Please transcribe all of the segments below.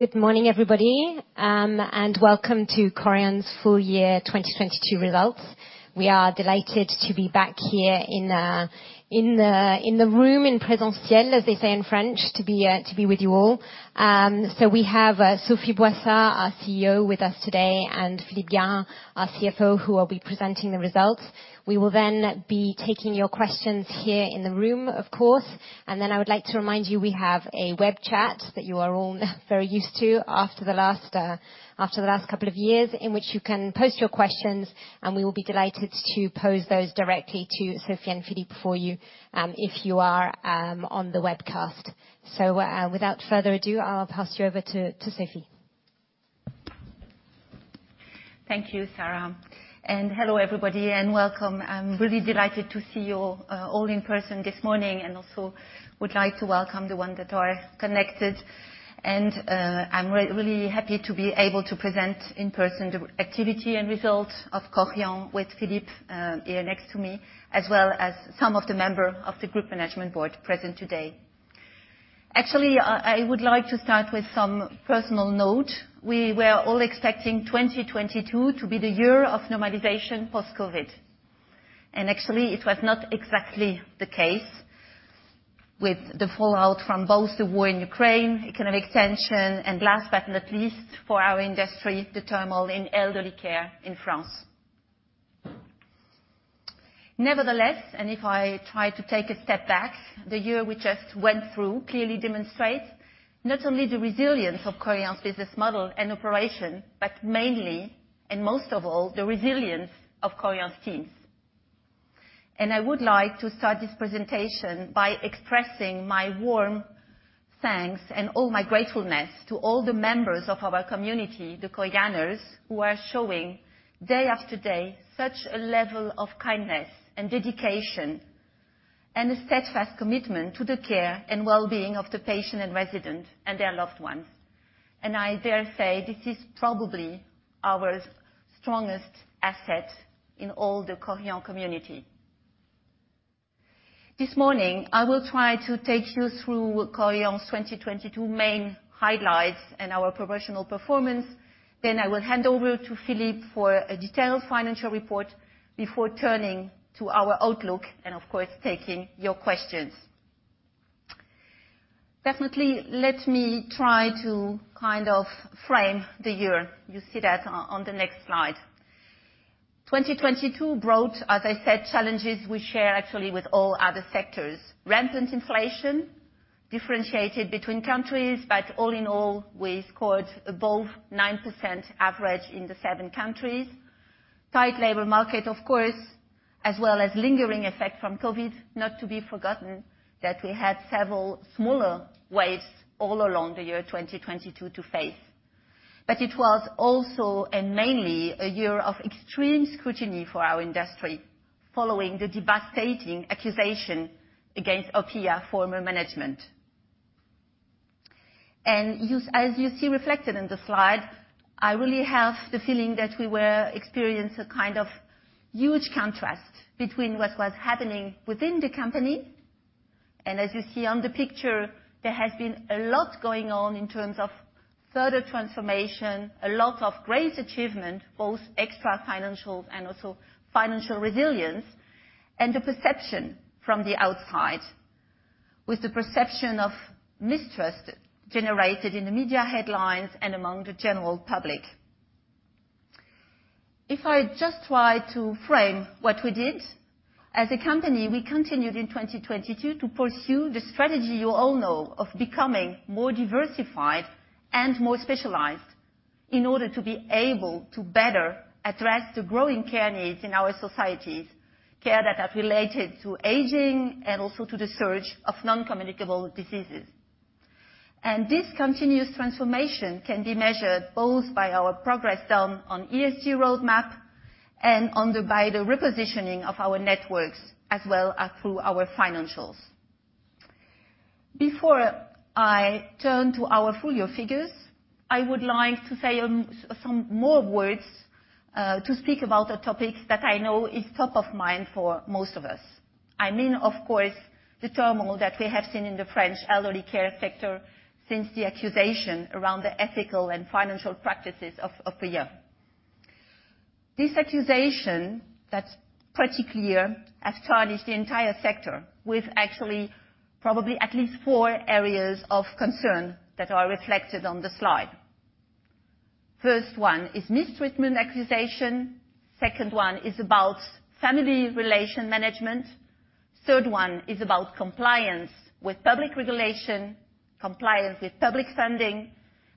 Good morning, everybody, and welcome to Korian's Full Year 2022 Results. We are delighted to be back here in the room, in presence tien, as they say in French, to be with you all. So we have Sophie Boissard, our CEO, with us today, and Philippe Garin, our CFO, who will be presenting the results. We will then be taking your questions here in the room, of course. Then I would like to remind you, we have a web chat that you are all very used to after the last after the last couple of years, in which you can post your questions, and we will be delighted to pose those directly to Sophie and Philippe for you, if you are on the webcast. Without further ado, I'll pass you over to Sophie. Thank you, Sarah. Hello, everybody, and welcome. I'm really delighted to see you all in person this morning, and also would like to welcome the one that are connected. I'm really happy to be able to present in person the activity and result of Korian with Philippe here next to me, as well as some of the member of the group management board present today. Actually, I would like to start with some personal note. We were all expecting 2022 to be the year of normalization post-COVID, and actually it was not exactly the case with the fallout from both the war in Ukraine, economic tension, and last but not least, for our industry, the turmoil in elderly care in France. Nevertheless, if I try to take a step back, the year we just went through clearly demonstrates not only the resilience of Korian's business model and operation, mainly, and most of all, the resilience of Korian's teams. I would like to start this presentation by expressing my warm thanks and all my gratefulness to all the members of our community, the Korianers, who are showing day after day such a level of kindness and dedication, and a steadfast commitment to the care and well-being of the patient and resident and their loved ones. I dare say this is probably our strongest asset in all the Korian community. This morning, I will try to take you through Korian's 2022 main highlights and our professional performance. I will hand over to Philippe for a detailed financial report before turning to our outlook and, of course, taking your questions. Definitely, let me try to kind of frame the year. You see that on the next slide. 2022 brought, as I said, challenges we share actually with all other sectors. Rampant inflation, differentiated between countries, but all in all, we scored above 9% average in the seven countries. Tight labor market, of course, as well as lingering effect from COVID. Not to be forgotten, that we had several smaller waves all along the year 2022 to face. It was also, and mainly, a year of extreme scrutiny for our industry, following the devastating accusation against Orpéa former management. As you see reflected on the slide, I really have the feeling that we were experience a kind of huge contrast between what was happening within the company, and as you see on the picture, there has been a lot going on in terms of further transformation, a lot of great achievement, both extra financials and also financial resilience, and the perception from the outside, with the perception of mistrust generated in the media headlines and among the general public. If I just try to frame what we did, as a company, we continued in 2022 to pursue the strategy you all know of becoming more diversified and more specialized in order to be able to better address the growing care needs in our societies, care that are related to aging and also to the surge of non-communicable diseases. This continuous transformation can be measured both by our progress done on ESG roadmap by the repositioning of our networks, as well as through our financials. Before I turn to our full year figures, I would like to say some more words to speak about a topic that I know is top of mind for most of us. I mean, of course, the turmoil that we have seen in the French elderly care sector since the accusation around the ethical and financial practices of Orpéa. This accusation that's pretty clear has tarnished the entire sector with actually probably at least four areas of concern that are reflected on the slide. First one is mistreatment accusation. Second one is about family relation management. Third one is about compliance with public regulation, compliance with public funding.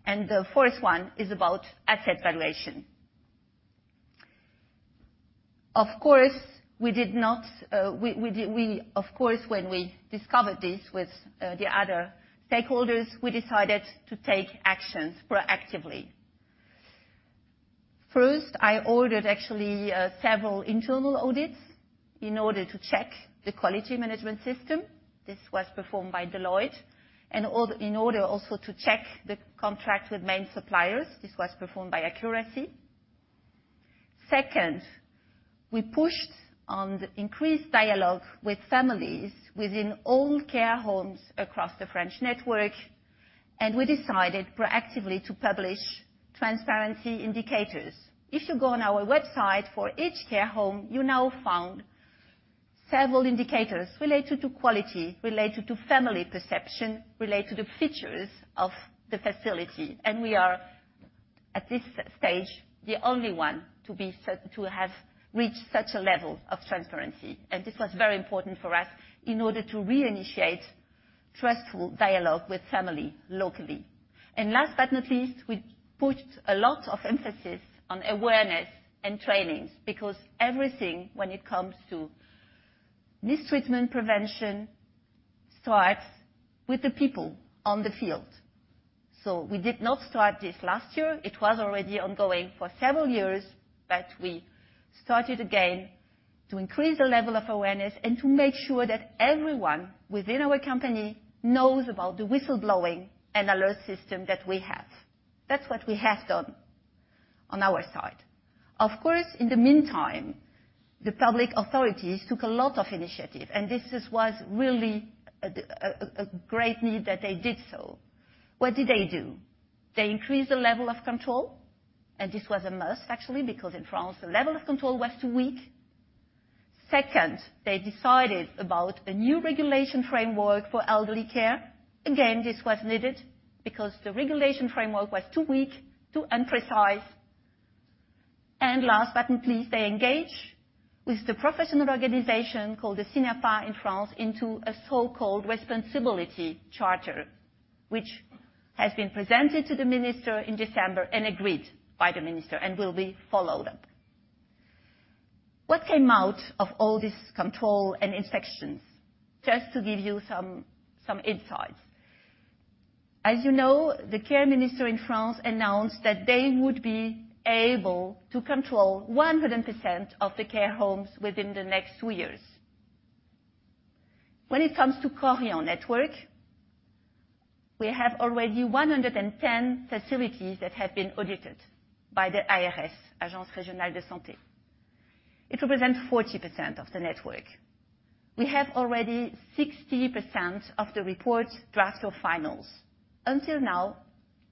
The fourth one is about asset valuation. Of course, when we discovered this with the other stakeholders, we decided to take actions proactively. First, I ordered actually several internal audits in order to check the quality management system. This was performed by Deloitte, in order also to check the contract with main suppliers. This was performed by Accuracy. Second, we pushed on the increased dialogue with families within all care homes across the French network, and we decided proactively to publish transparency indicators. If you go on our website, for each care home, you now found several indicators related to quality, related to family perception, related to features of the facility. We are, at this stage, the only one to have reached such a level of transparency, and this was very important for us in order to re-initiate trustful dialogue with family locally. Last but not least, we put a lot of emphasis on awareness and trainings, because everything when it comes to mistreatment prevention starts with the people on the field. We did not start this last year. It was already ongoing for several years, we started again to increase the level of awareness and to make sure that everyone within our company knows about the whistleblowing and alert system that we have. That's what we have done on our side. Of course, in the meantime, the public authorities took a lot of initiative, and this was really a great need that they did so. What did they do? They increased the level of control, this was a must, actually, because in France, the level of control was too weak. Second, they decided about a new regulation framework for elderly care. This was needed because the regulation framework was too weak to imprecise. Last but not least, they engaged with the professional organization called the CNAPA in France into a so-called responsibility charter, which has been presented to the minister in December and agreed by the minister and will be followed up. What came out of all this control and inspections? Just to give you some insights. As you know, the Care Minister in France announced that they would be able to control 100% of the care homes within the next two years. When it comes to Korian network, we have already 110 facilities that have been audited by the ARS, Agence régionale de santé. It represents 40% of the network. We have already 60% of the reports drafted or finals. Until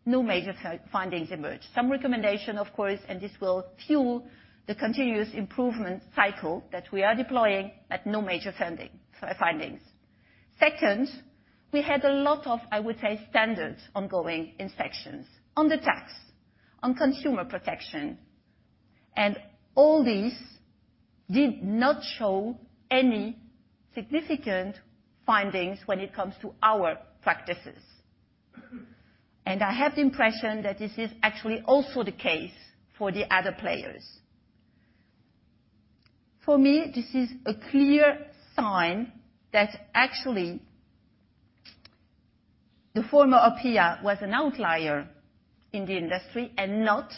now, no major findings emerged. Some recommendation, of course, and this will fuel the continuous improvement cycle that we are deploying at no major findings. Second, we had a lot of, I would say, standard ongoing inspections on the tax, on consumer protection, and all these did not show any significant findings when it comes to our practices. I have the impression that this is actually also the case for the other players. For me, this is a clear sign that actually the former Orpéa was an outlier in the industry and not,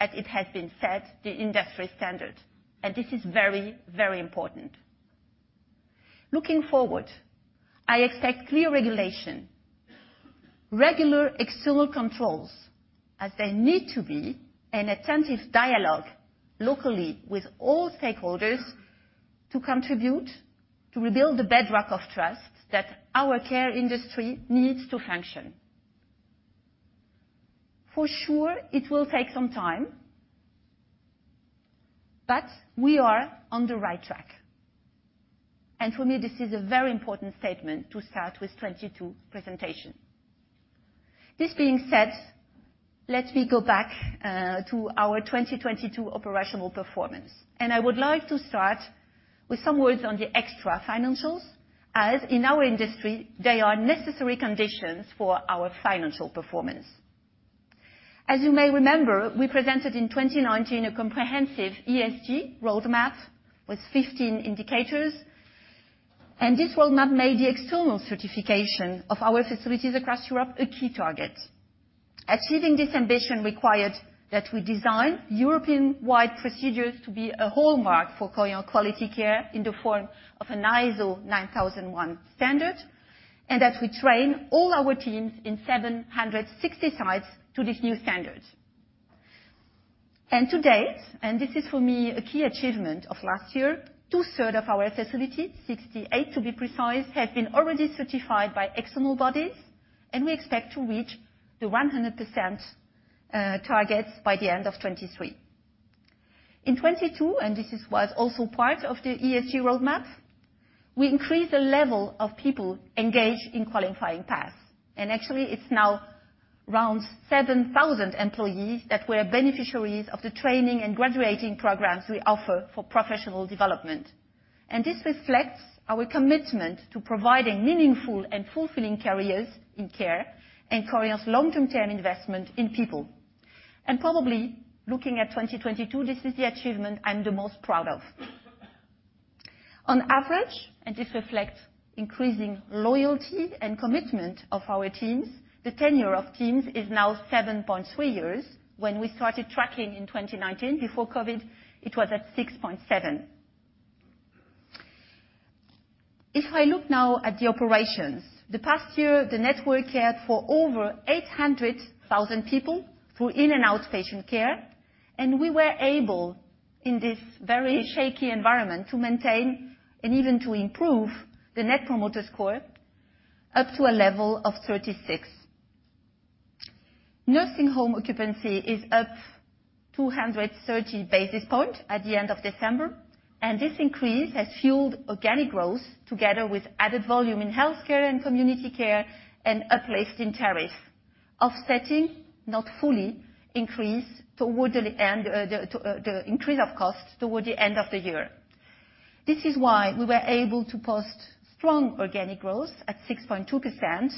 as it has been said, the industry standard. This is very, very important. Looking forward, I expect clear regulation, regular external controls as there need to be an attentive dialogue locally with all stakeholders to contribute to rebuild the bedrock of trust that our care industry needs to function. For sure, it will take some time, but we are on the right track. For me, this is a very important statement to start with 22 presentation. This being said, let me go back to our 2022 operational performance, and I would like to start with some words on the extra financials, as in our industry, they are necessary conditions for our financial performance. As you may remember, we presented in 2019 a comprehensive ESG roadmap with 15 indicators, and this roadmap made the external certification of our facilities across Europe a key target. Achieving this ambition required that we design European-wide procedures to be a hallmark for Clariane quality care in the form of an ISO 9001 standard, that we train all our teams in 760 sites to this new standard. To date, and this is for me a key achievement of last year, 2/3 of our facilities, 68 to be precise, have been already certified by external bodies, and we expect to reach the 100% targets by the end of 2023. In 2022, this was also part of the ESG roadmap, we increased the level of people engaged in qualifying paths. Actually, it's now around 7,000 employees that were beneficiaries of the training and graduating programs we offer for professional development. This reflects our commitment to providing meaningful and fulfilling careers in care and Korian's long-term investment in people. Probably looking at 2022, this is the achievement I'm the most proud of. On average, and this reflects increasing loyalty and commitment of our teams, the tenure of teams is now 7.3 years. When we started tracking in 2019, before COVID, it was at 6.7. If I look now at the operations, the past year, the network cared for over 800,000 people through in and out patient care. We were able, in this very shaky environment, to maintain and even to improve the Net Promoter Score up to a level of 36. Nursing home occupancy is up 230 basis points at the end of December. This increase has fueled organic growth together with added volume in healthcare and community care and uplifts in tariffs. Offsetting, not fully, the increase of costs toward the end of the year. This is why we were able to post strong organic growth at 6.2%.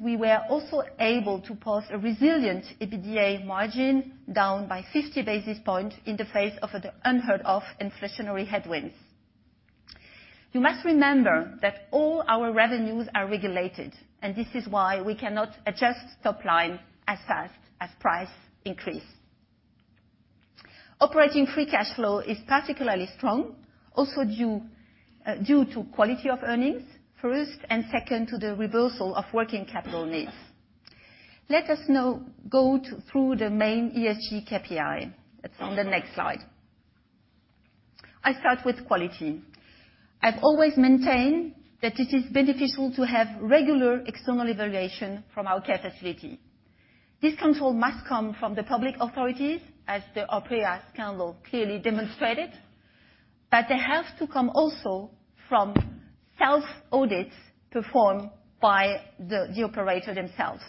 We were also able to post a resilient EBITDA margin down by 50 basis points in the face of the unheard of inflationary headwinds. You must remember that all our revenues are regulated. This is why we cannot adjust top line as fast as price increase. Operating free cash flow is particularly strong, also due to quality of earnings, first, and second to the reversal of working capital needs. Let us now go through the main ESG KPI. That's on the next slide. I start with quality. I've always maintained that it is beneficial to have regular external evaluation from our care facility. This control must come from the public authorities, as the Orpéa scandal clearly demonstrated, it has to come also from self audits performed by the operator themselves.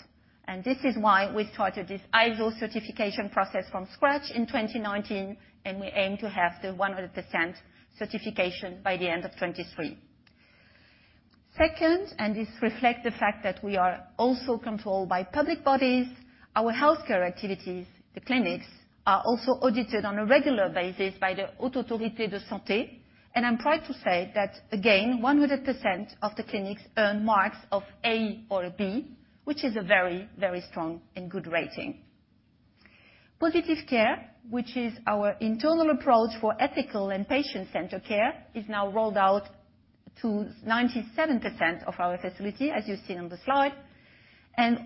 This is why we started this ISO certification process from scratch in 2019, and we aim to have the 100% certification by the end of 2023. Second, this reflects the fact that we are also controlled by public bodies, our healthcare activities, the clinics, are also audited on a regular basis by the Haute Autorité de Santé. I'm proud to say that again, 100% of the clinics earn marks of A or B, which is a very, very strong and good rating. Positive Care, which is our internal approach for ethical and patient-centered care, is now rolled out to 97% of our facility, as you see on the slide.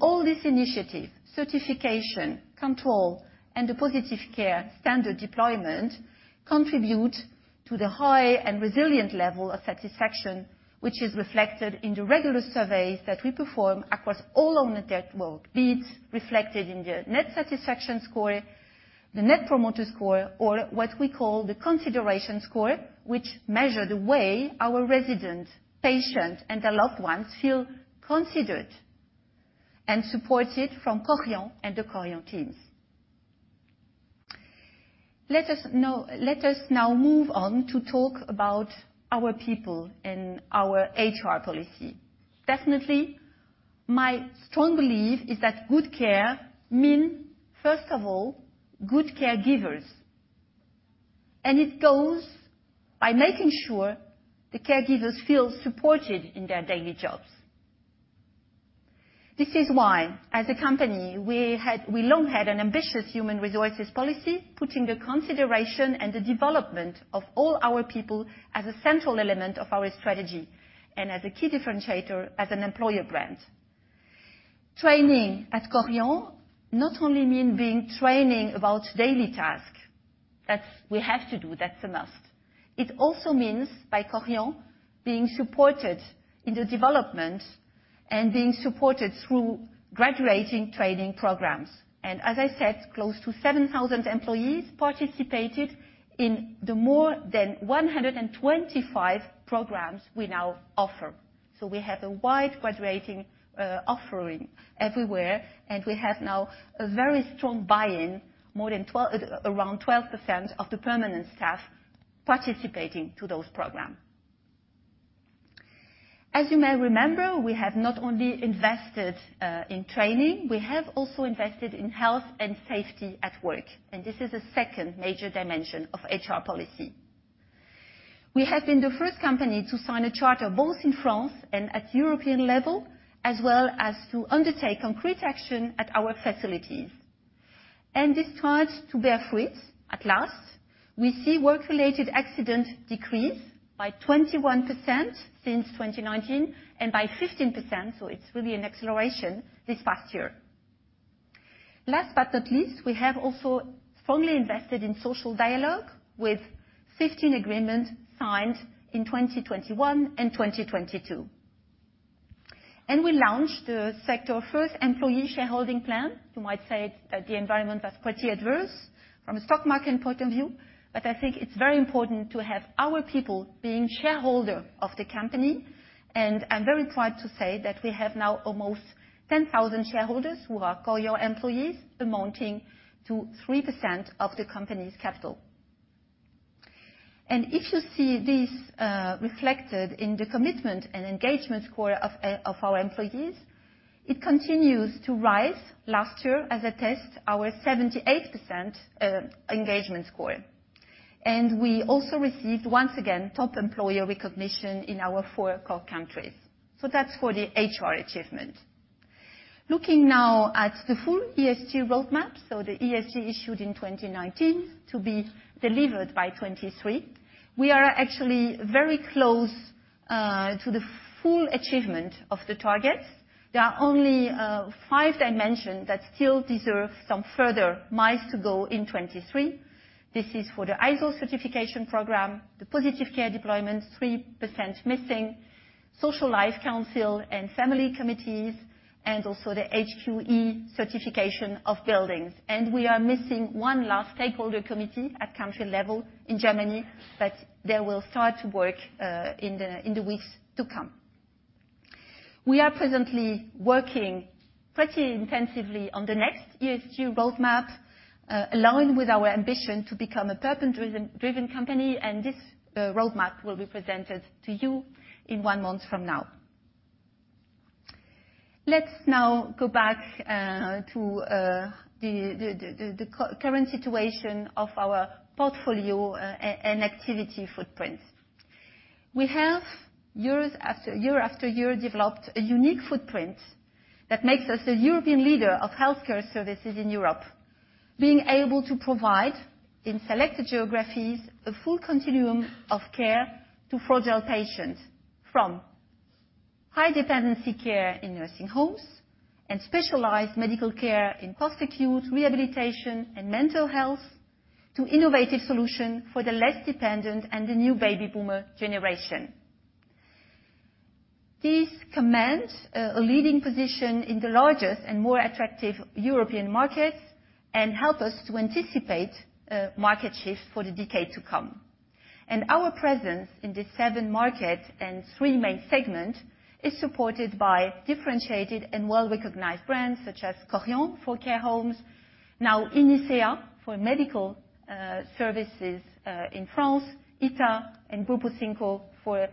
All this initiative, certification, control, and the Positive Care standard deployment contribute to the high and resilient level of satisfaction, which is reflected in the regular surveys that we perform across all of the network, be it reflected in the net satisfaction score, the Net Promoter Score, or what we call the consideration score, which measure the way our residents, patients, and their loved ones feel considered and supported from Korian and the Korian teams. Let us now move on to talk about our people and our HR policy. Definitely, my strong belief is that good care mean, first of all, good caregivers. It goes by making sure the caregivers feel supported in their daily jobs. This is why, as a company, we long had an ambitious human resources policy, putting the consideration and the development of all our people as a central element of our strategy and as a key differentiator as an employer brand. Training at Korian not only mean being training about daily task. That's we have to do, that's a must. It also means by Korian being supported in the development and being supported through graduating training programs. As I said, close to 7,000 employees participated in the more than 125 programs we now offer. We have a wide graduating offering everywhere, and we have now a very strong buy-in, more than around 12% of the permanent staff participating to those program. As you may remember, we have not only invested in training, we have also invested in health and safety at work, and this is a second major dimension of HR policy. We have been the first company to sign a charter both in France and at European level, as well as to undertake concrete action at our facilities. It starts to bear fruit at last. We see work-related accident decrease by 21% since 2019 and by 15%, so it's really an acceleration this past year. Last but not least, we have also strongly invested in social dialogue with 15 agreement signed in 2021 and 2022. We launched the sector first employee shareholding plan. You might say that the environment was quite adverse from a stock market point of view, but I think it's very important to have our people being shareholder of the company. I'm very proud to say that we have now almost 10,000 shareholders who are Korian employees, amounting to 3% of the company's capital. If you see this reflected in the commitment and engagement score of our employees, it continues to rise. Last year, as I test our 78% engagement score. We also received, once again, Top Employer recognition in our four core countries. That's for the HR achievement. Looking now at the full ESG roadmap, so the ESG issued in 2019 to be delivered by 2023, we are actually very close to the full achievement of the targets. There are only five dimensions that still deserve some further miles to go in 2023. This is for the ISO certification program, the Positive Care deployment, 3% missing, social life council and family committees, and also the HQE certification of buildings. We are missing one last stakeholder committee at country level in Germany, but they will start to work in the weeks to come. We are presently working pretty intensively on the next ESG roadmap, aligned with our ambition to become a purpose driven company, and this roadmap will be presented to you in one month from now. Let's now go back to the current situation of our portfolio and activity footprint. We have years after. Year after year developed a unique footprint that makes us the European leader of healthcare services in Europe, being able to provide, in selected geographies, a full continuum of care to fragile patients from high dependency care in nursing homes and specialized medical care in post-acute rehabilitation and mental health to innovative solution for the less dependent and the new baby boomer generation. This commands a leading position in the largest and more attractive European markets and help us to anticipate market shifts for the decade to come. Our presence in these seven markets and three main segments is supported by differentiated and well-recognized brands such as Korian for care homes, now Inicea for medical services in France, Ita and Grupo 5 for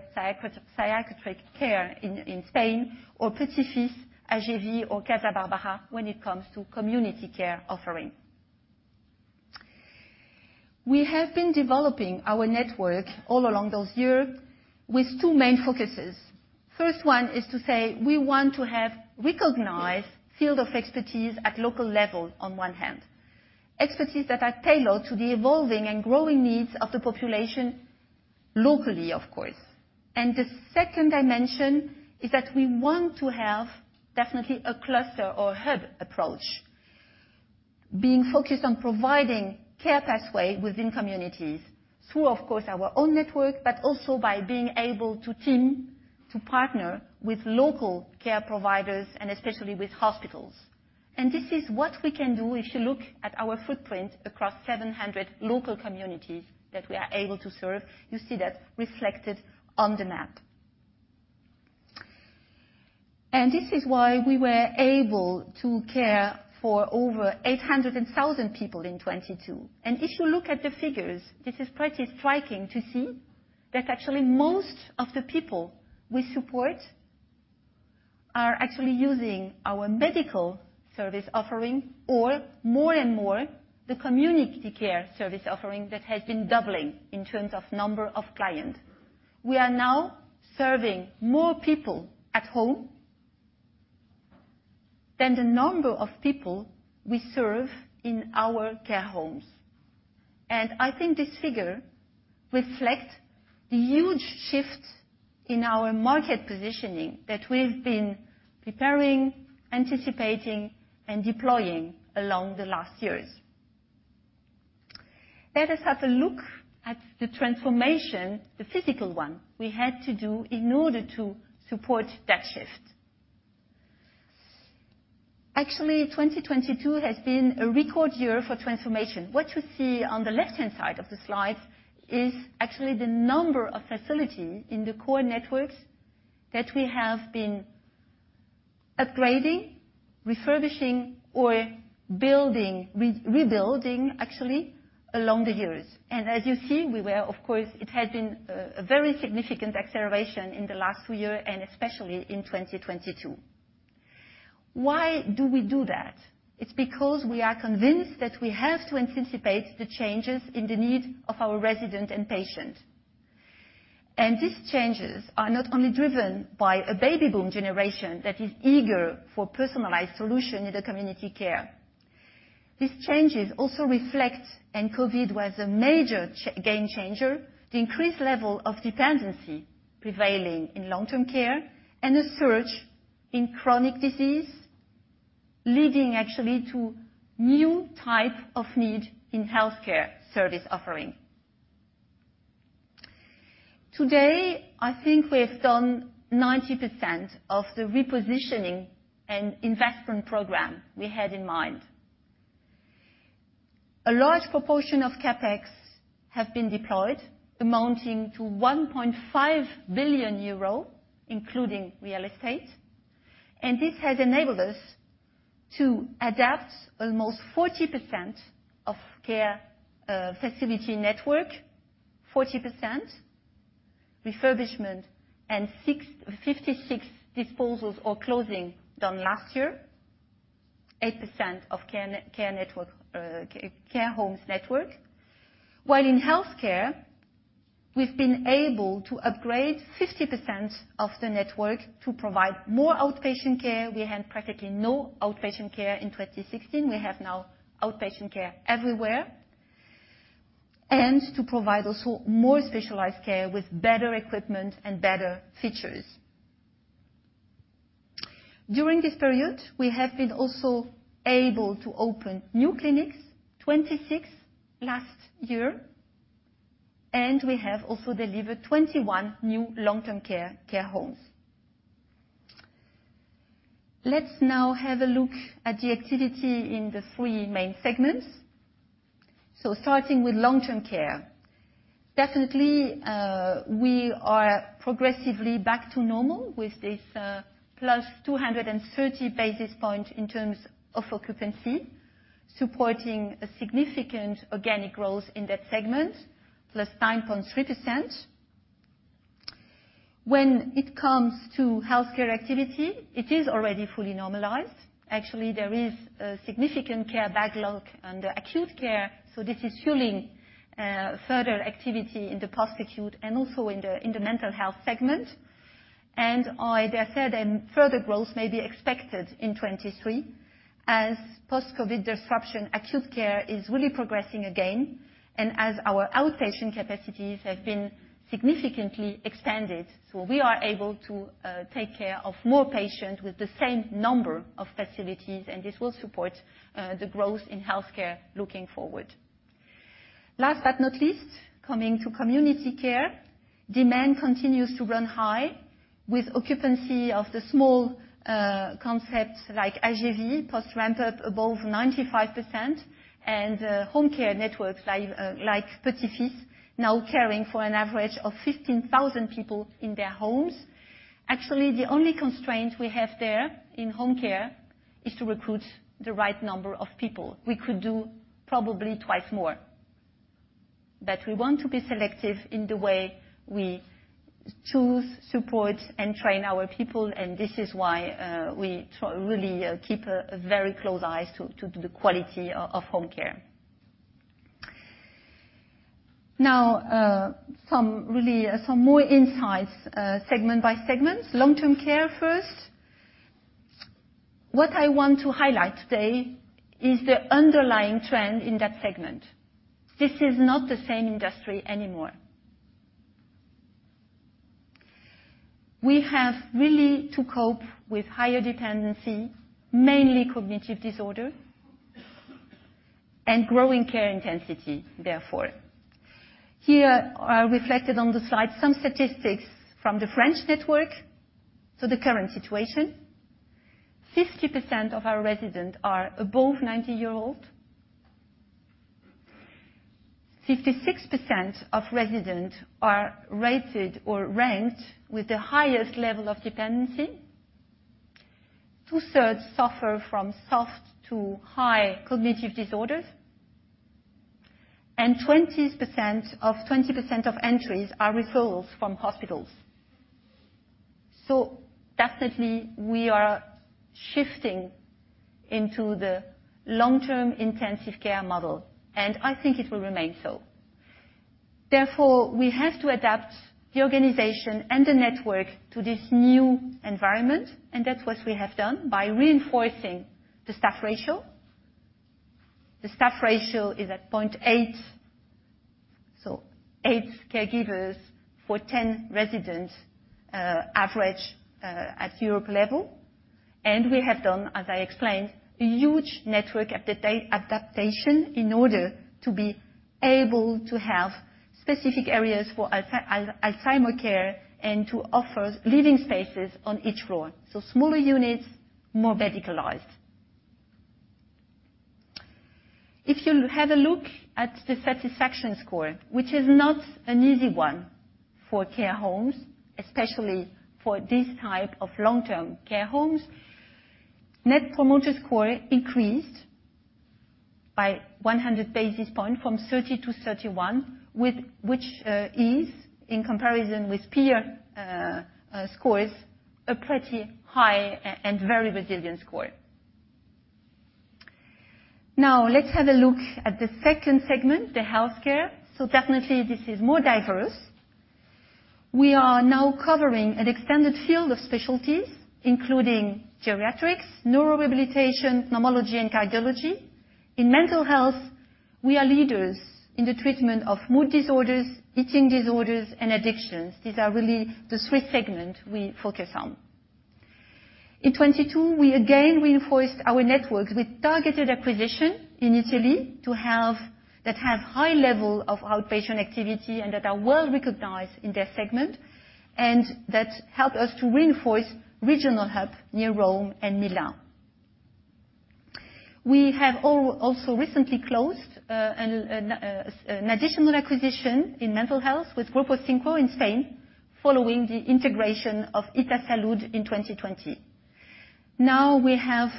psychiatric care in Spain, or Petits-fils, Âges & Vie or Casa Barbara when it comes to community care offering. We have been developing our network all along those years with two main focuses. First one is to say we want to have recognized field of expertise at local level on one hand, expertise that are tailored to the evolving and growing needs of the population locally, of course. The second dimension is that we want to have definitely a cluster or hub approach, being focused on providing care pathway within communities through, of course, our own network, but also by being able to team to partner with local care providers and especially with hospitals. This is what we can do if you look at our footprint across 700 local communities that we are able to serve. You see that reflected on the map. This is why we were able to care for over 800,000 people in 2022. If you look at the figures, this is pretty striking to see that actually most of the people we support are actually using our medical service offering or more and more the community care service offering that has been doubling in terms of number of clients. We are now serving more people at home than the number of people we serve in our care homes. I think this figure reflects the huge shift in our market positioning that we've been preparing, anticipating, and deploying along the last years. Let us have a look at the transformation, the physical one we had to do in order to support that shift. Actually, 2022 has been a record year for transformation. What you see on the left-hand side of the slide is actually the number of facilities in the core networks that we have been upgrading, refurbishing or building, rebuilding actually along the years. As you see, we were of course, it had been a very significant acceleration in the last two years and especially in 2022. Why do we do that? It's because we are convinced that we have to anticipate the changes in the need of our residents and patients. These changes are not only driven by a baby boom generation that is eager for personalized solution in the community care. These changes also reflect, and COVID was a major game changer, the increased level of dependency prevailing in long-term care and a surge in chronic disease leading actually to new type of need in healthcare service offering. Today, I think we have done 90% of the repositioning and investment program we had in mind. A large proportion of CapEx have been deployed, amounting to 1.5 billion euro, including real estate. This has enabled us to adapt almost 40% of care facility network, 40% refurbishment and 56 disposals or closing done last year. 8% of care homes network. While in healthcare, we've been able to upgrade 50% of the network to provide more outpatient care. We had practically no outpatient care in 2016. We have now outpatient care everywhere. To provide also more specialized care with better equipment and better features. During this period, we have been also able to open new clinics, 26 last year, and we have also delivered 21 new long-term care homes. Let's now have a look at the activity in the three main segments. Starting with long-term care. Definitely, we are progressively back to normal with this +230 basis point in terms of occupancy, supporting a significant organic growth in that segment, +9.3%. When it comes to healthcare activity, it is already fully normalized. Actually, there is a significant care backlog under acute care, so this is fueling further activity in the post-acute and also in the mental health segment. I dare say that further growth may be expected in 2023 as post-COVID disruption, acute care is really progressing again. As our outpatient capacities have been significantly expanded, we are able to take care of more patients with the same number of facilities. This will support the growth in healthcare looking forward. Coming to community care, demand continues to run high with occupancy of the small concepts like Âges & Vie, post ramp-up above 95%. Home care networks like Petits-fils now caring for an average of 15,000 people in their homes. Actually, the only constraint we have there in home care is to recruit the right number of people. We could do probably twice more. We want to be selective in the way we choose, support, and train our people. This is why we try really keep a very close eyes to the quality of home care. Some really, some more insights, segment by segment. Long-term care first. What I want to highlight today is the underlying trend in that segment. This is not the same industry anymore. We have really to cope with higher dependency, mainly cognitive disorder, and growing care intensity, therefore. Here are reflected on the slide some statistics from the French network to the current situation. 50% of our residents are above 90 year old. 56% of residents are rated or ranked with the highest level of dependency. 2/3 suffer from soft to high cognitive disorders, and 20% of entries are referrals from hospitals. Definitely, we are shifting into the long-term intensive care model, and I think it will remain so. We have to adapt the organization and the network to this new environment, and that's what we have done by reinforcing the staff ratio. The staff ratio is at 0.8, so eight caregivers for 10 residents, average at Europe level. We have done, as I explained, a huge network adaptation in order to be able to have specific areas for Alzheimer care and to offer living spaces on each floor. Smaller units, more medicalized. If you have a look at the satisfaction score, which is not an easy one for care homes, especially for this type of long-term care homes, Net Promoter Score increased by 100 basis point from 30 to 31, which is in comparison with peer scores, a pretty high and very resilient score. Let's have a look at the second segment, the healthcare. Definitely this is more diverse. We are now covering an extended field of specialties, including geriatrics, neurorehabilitation, pneumology, and cardiology. In mental health, we are leaders in the treatment of mood disorders, eating disorders, and addictions. These are really the sweet segment we focus on. In 22, we again reinforced our network with targeted acquisition in Italy that have high level of outpatient activity and that are well-recognized in their segment and that help us to reinforce regional hub near Rome and Milan. We have also recently closed an additional acquisition in mental health with Grupo 5 in Spain following the integration of Ita Salud Mental in 2020. Now we have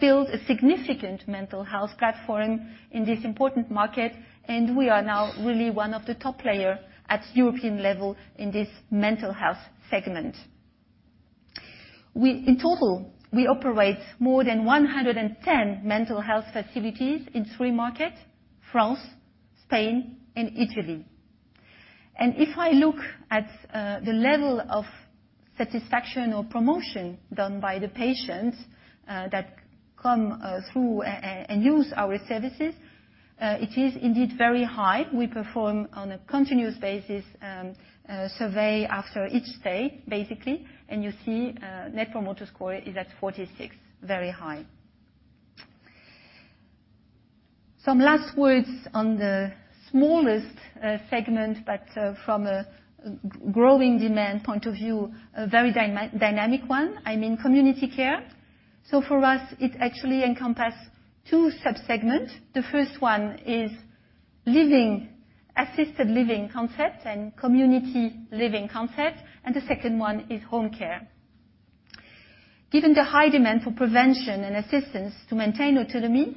built a significant mental health platform in this important market, and we are now really one of the top player at European level in this mental health segment. We in total, we operate more than 110 mental health facilities in three market, France, Spain and Italy. If I look at the level of satisfaction or promotion done by the patients that come and use our services, it is indeed very high. We perform on a continuous basis, a survey after each stay, basically. You see, Net Promoter Score is at 46, very high. Some last words on the smallest segment, but from a growing demand point of view, a very dynamic one, I'm in community care. For us, it actually encompass two sub-segments. The first one is living, assisted living concept and community living concept, and the second one is home care. Given the high demand for prevention and assistance to maintain autonomy,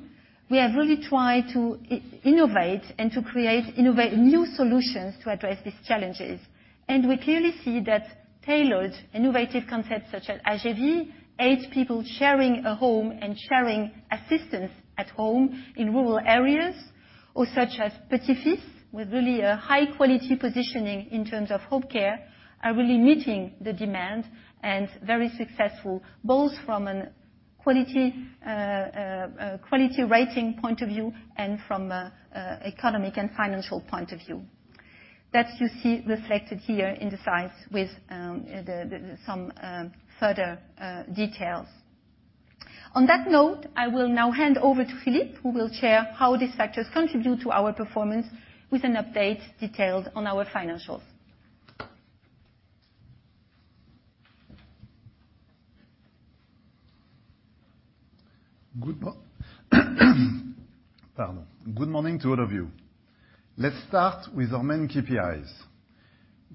we have really tried to innovate and to create new solutions to address these challenges. We clearly see that tailored innovative concepts Âges & Vie aids people sharing a home and sharing assistance at home in rural areas or such as Petits-fils, with really a high quality positioning in terms of home care, are really meeting the demand and very successful, both from a quality rating point of view and from economic and financial point of view. That you see reflected here in the slides with the some further details. On that note, I will now hand over to Philippe, who will share how these factors contribute to our performance with an update detailed on our financials. Good morning to all of you. Let's start with our main KPIs.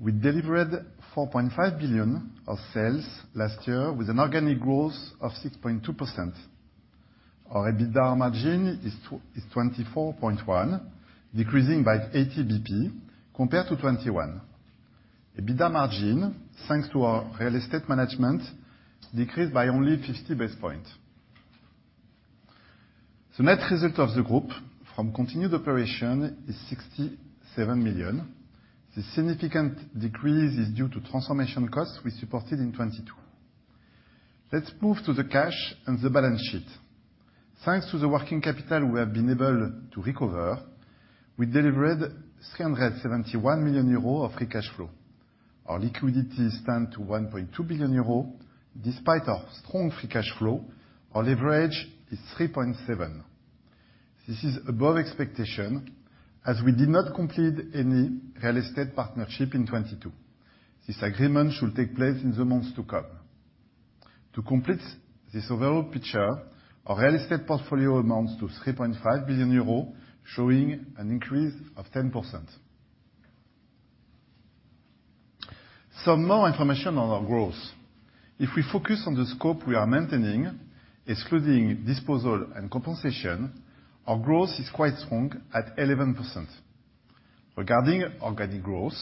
We delivered 4.5 billion of sales last year with an organic growth of 6.2%. Our EBITDA margin is 24.1%, decreasing by 80 basis points compared to 2021. EBITDA margin, thanks to our real estate management, decreased by only 50 basis points. The net result of the group from continued operation is 67 million. The significant decrease is due to transformation costs we supported in 2022. Let's move to the cash and the balance sheet. Thanks to the working capital we have been able to recover, we delivered 371 million euro of free cash flow. Our liquidity stand to 1.2 billion euro. Despite our strong free cash flow, our leverage is 3.7. This is above expectation, as we did not complete any real estate partnership in 2022. This agreement should take place in the months to come. To complete this overall picture, our real estate portfolio amounts to 3.5 billion euros, showing an increase of 10%. Some more information on our growth. If we focus on the scope we are maintaining, excluding disposal and compensation, our growth is quite strong at 11%. Regarding organic growth,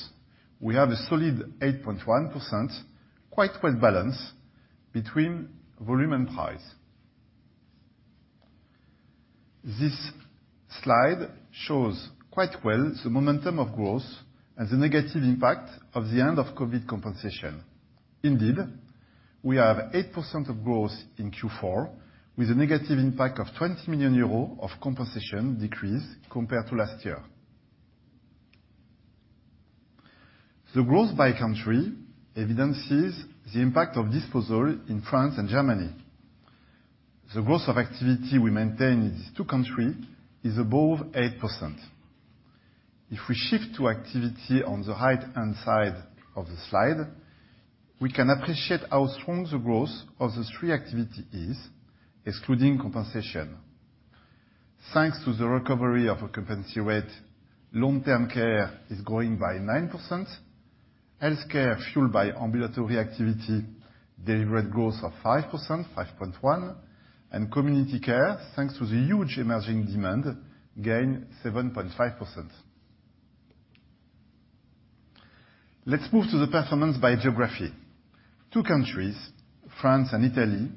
we have a solid 8.1%, quite well balanced between volume and price. This slide shows quite well the momentum of growth and the negative impact of the end of COVID compensation. We have 8% of growth in Q4, with a negative impact of 20 million euros of compensation decrease compared to last year. The growth by country evidences the impact of disposal in France and Germany. The growth of activity we maintain in these two country is above 8%. If we shift to activity on the right-hand side of the slide, we can appreciate how strong the growth of the three activity is, excluding compensation. Thanks to the recovery of occupancy rate, long-term care is growing by 9%. Healthcare, fueled by ambulatory activity, delivered growth of 5%, 5.1%. Community care, thanks to the huge emerging demand, gained 7.5%. Let's move to the performance by geography. Two countries, France and Italy,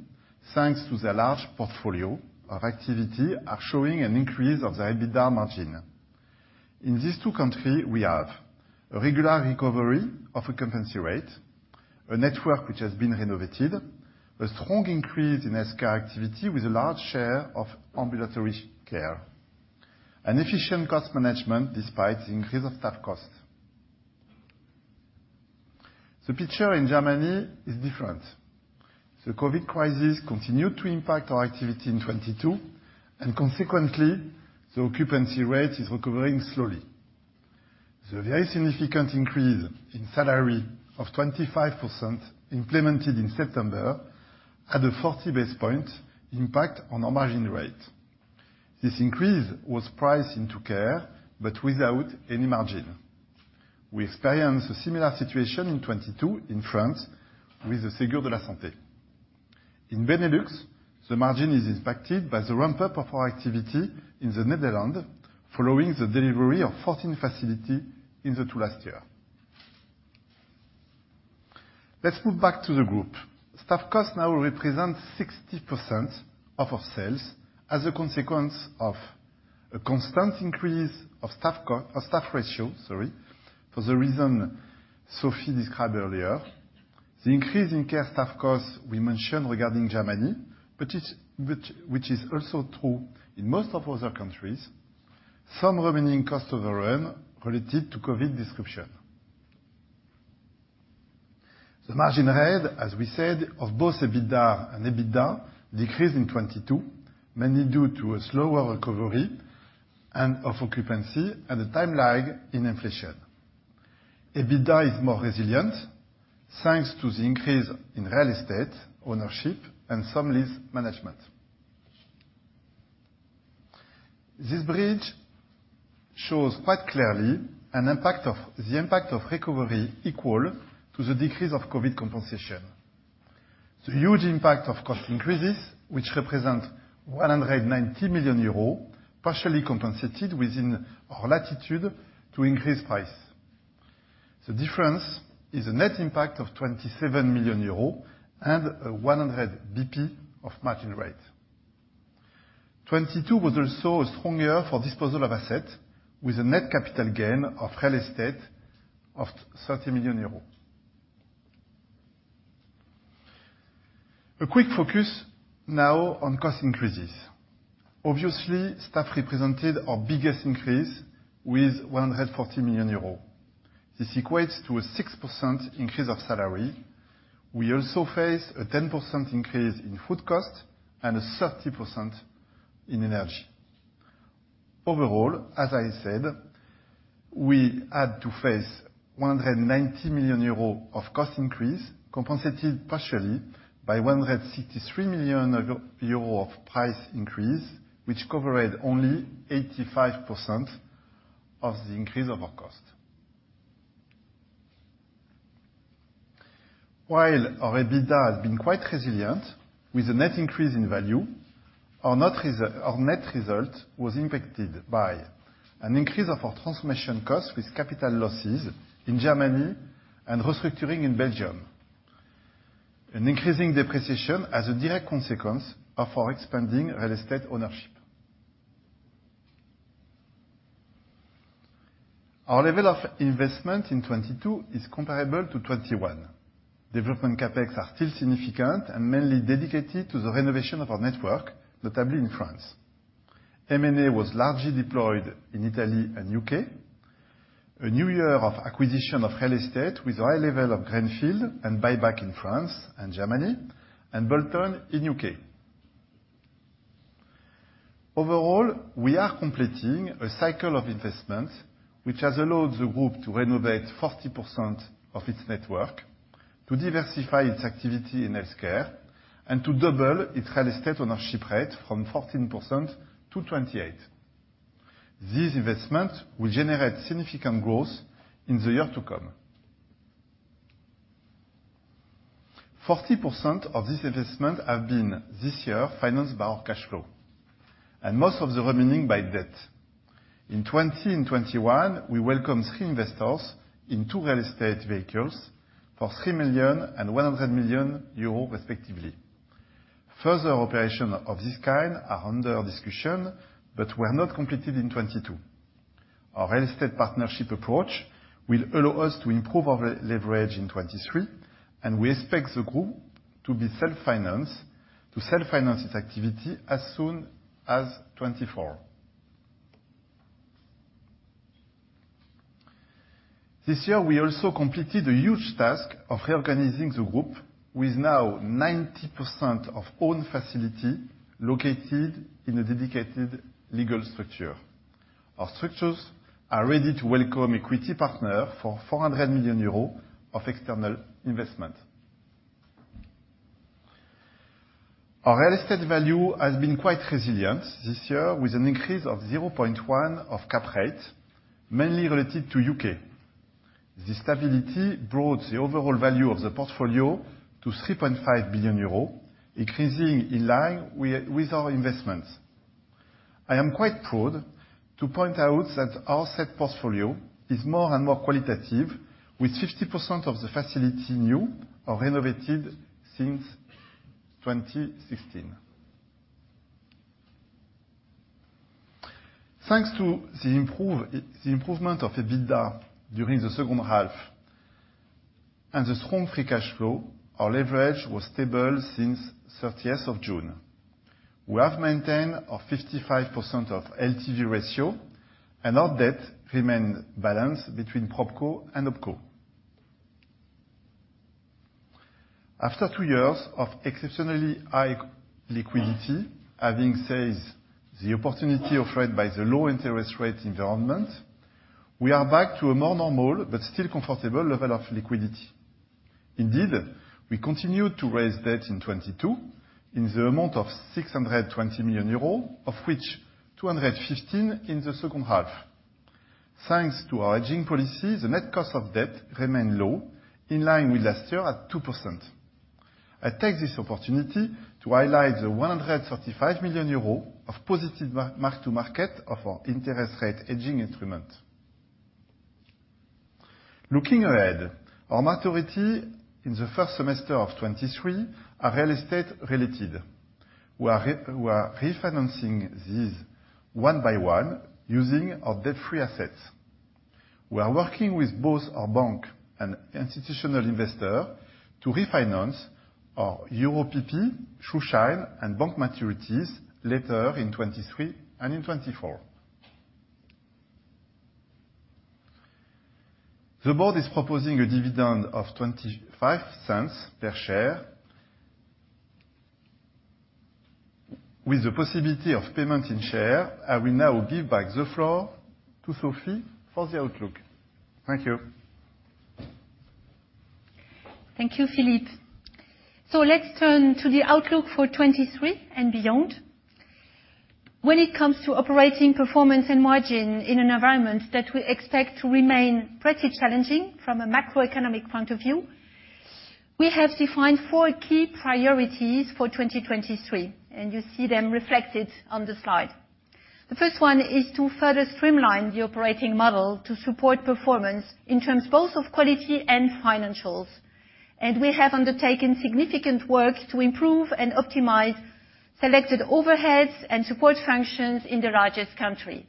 thanks to their large portfolio of activity, are showing an increase of their EBITDA margin. In these two country, we have a regular recovery of occupancy rate, a network which has been renovated, a strong increase in healthcare activity with a large share of ambulatory care, and efficient cost management despite the increase of staff costs. The picture in Germany is different. The COVID crisis continued to impact our activity in 2022, and consequently, the occupancy rate is recovering slowly. The very significant increase in salary of 25% implemented in September had a 40 basis point impact on our margin rate. This increase was priced into care, but without any margin. We experienced a similar situation in 2022 in France with the Ségur de la Santé. In Benelux, the margin is impacted by the ramp-up of our activity in the Netherlands following the delivery of 14 facility in the two last year. Let's move back to the group. Staff costs now represent 60% of our sales as a consequence of a constant increase of staff ratio, sorry, for the reason Sophie described earlier. The increase in care staff costs we mentioned regarding Germany, but which is also true in most of other countries. Some remaining cost of the RM related to COVID disruption. The margin rate, as we said, of both EBITDA and EBITDA decreased in 2022, mainly due to a slower recovery and of occupancy and a time lag in inflation. EBITDA is more resilient thanks to the increase in real estate ownership and some lease management. This bridge shows quite clearly the impact of recovery equal to the decrease of COVID compensation. The huge impact of cost increases, which represent 190 million euros, partially compensated within our latitude to increase price. The difference is a net impact of 27 million euros and a 100 basis points of margin rate. 2022 was also a strong year for disposal of asset with a net capital gain of real estate of 30 million euros. A quick focus now on cost increases. Obviously, staff represented our biggest increase with 140 million euros. This equates to a 6% increase of salary. We also face a 10% increase in food cost and a 30% in energy. Overall, as I said, we had to face 190 million euros of cost increase, compensated partially by 163 million euros of price increase, which covered only 85% of the increase of our cost. Our EBITDA has been quite resilient with a net increase in value, our net result was impacted by an increase of our transformation costs with capital losses in Germany and restructuring in Belgium. An increasing depreciation as a direct consequence of our expanding real estate ownership. Our level of investment in 2022 is comparable to 2021. Development CapEx are still significant and mainly dedicated to the renovation of our network, notably in France. M&A was largely deployed in Italy and U.K. A new year of acquisition of real estate with a high level of greenfield and buyback in France and Germany, and built on in U.K. Overall, we are completing a cycle of investments, which has allowed the group to renovate 40% of its network, to diversify its activity in healthcare, and to double its real estate ownership rate from 14% to 28%. These investments will generate significant growth in the year to come. 40% of this investment have been this year financed by our cash flow, and most of the remaining by debt. In 2020 and 2021, we welcomed three investors in two real estate vehicles for 3 million and 100 million euros respectively. Further operation of this kind are under discussion, were not completed in 2022. Our real estate partnership approach will allow us to improve our leverage in 2023, and we expect the group to self-finance its activity as soon as 2024. This year, we also completed a huge task of reorganizing the group with now 90% of own facility located in a dedicated legal structure. Our structures are ready to welcome equity partner for 400 million euros of external investment. Our real estate value has been quite resilient this year with an increase of 0.1 of cap rate, mainly related to U.K. The stability brought the overall value of the portfolio to 3.5 billion euros, increasing in line with our investments. I am quite proud to point out that our set portfolio is more and more qualitative, with 50% of the facility new or renovated since 2016. Thanks to the improvement of EBITDA during the second half and the strong free cash flow, our leverage was stable since 30th of June. We have maintained our 55% of LTV ratio, and our debt remained balanced between PropCo and OpCo. After years of exceptionally high liquidity, having seized the opportunity offered by the low interest rate environment, we are back to a more normal but still comfortable level of liquidity. We continue to raise debt in 2022 in the amount of 620 million euros, of which 215 in the second half. Thanks to our hedging policy, the net cost of debt remain low, in line with last year at 2%. I take this opportunity to highlight the 135 million euros of positive mark to market of our interest rate hedging instrument. Looking ahead, our maturity in the first semester of 2023 are real estate related. We are refinancing these one by one using our debt-free assets. We are working with both our bank and institutional investor to refinance our Euro PP, Schuldschein, and bond maturities later in 2023 and in 2024. The board is proposing a dividend of 0.25 per share with the possibility of payment in share. I will now give back the floor to Sophie for the outlook. Thank you. Thank you, Philippe. Let's turn to the outlook for 2023 and beyond. When it comes to operating performance and margin in an environment that we expect to remain pretty challenging from a macroeconomic point of view, we have defined four key priorities for 2023, and you see them reflected on the slide. The first one is to further streamline the operating model to support performance in terms both of quality and financials. We have undertaken significant work to improve and optimize selected overheads and support functions in the largest country.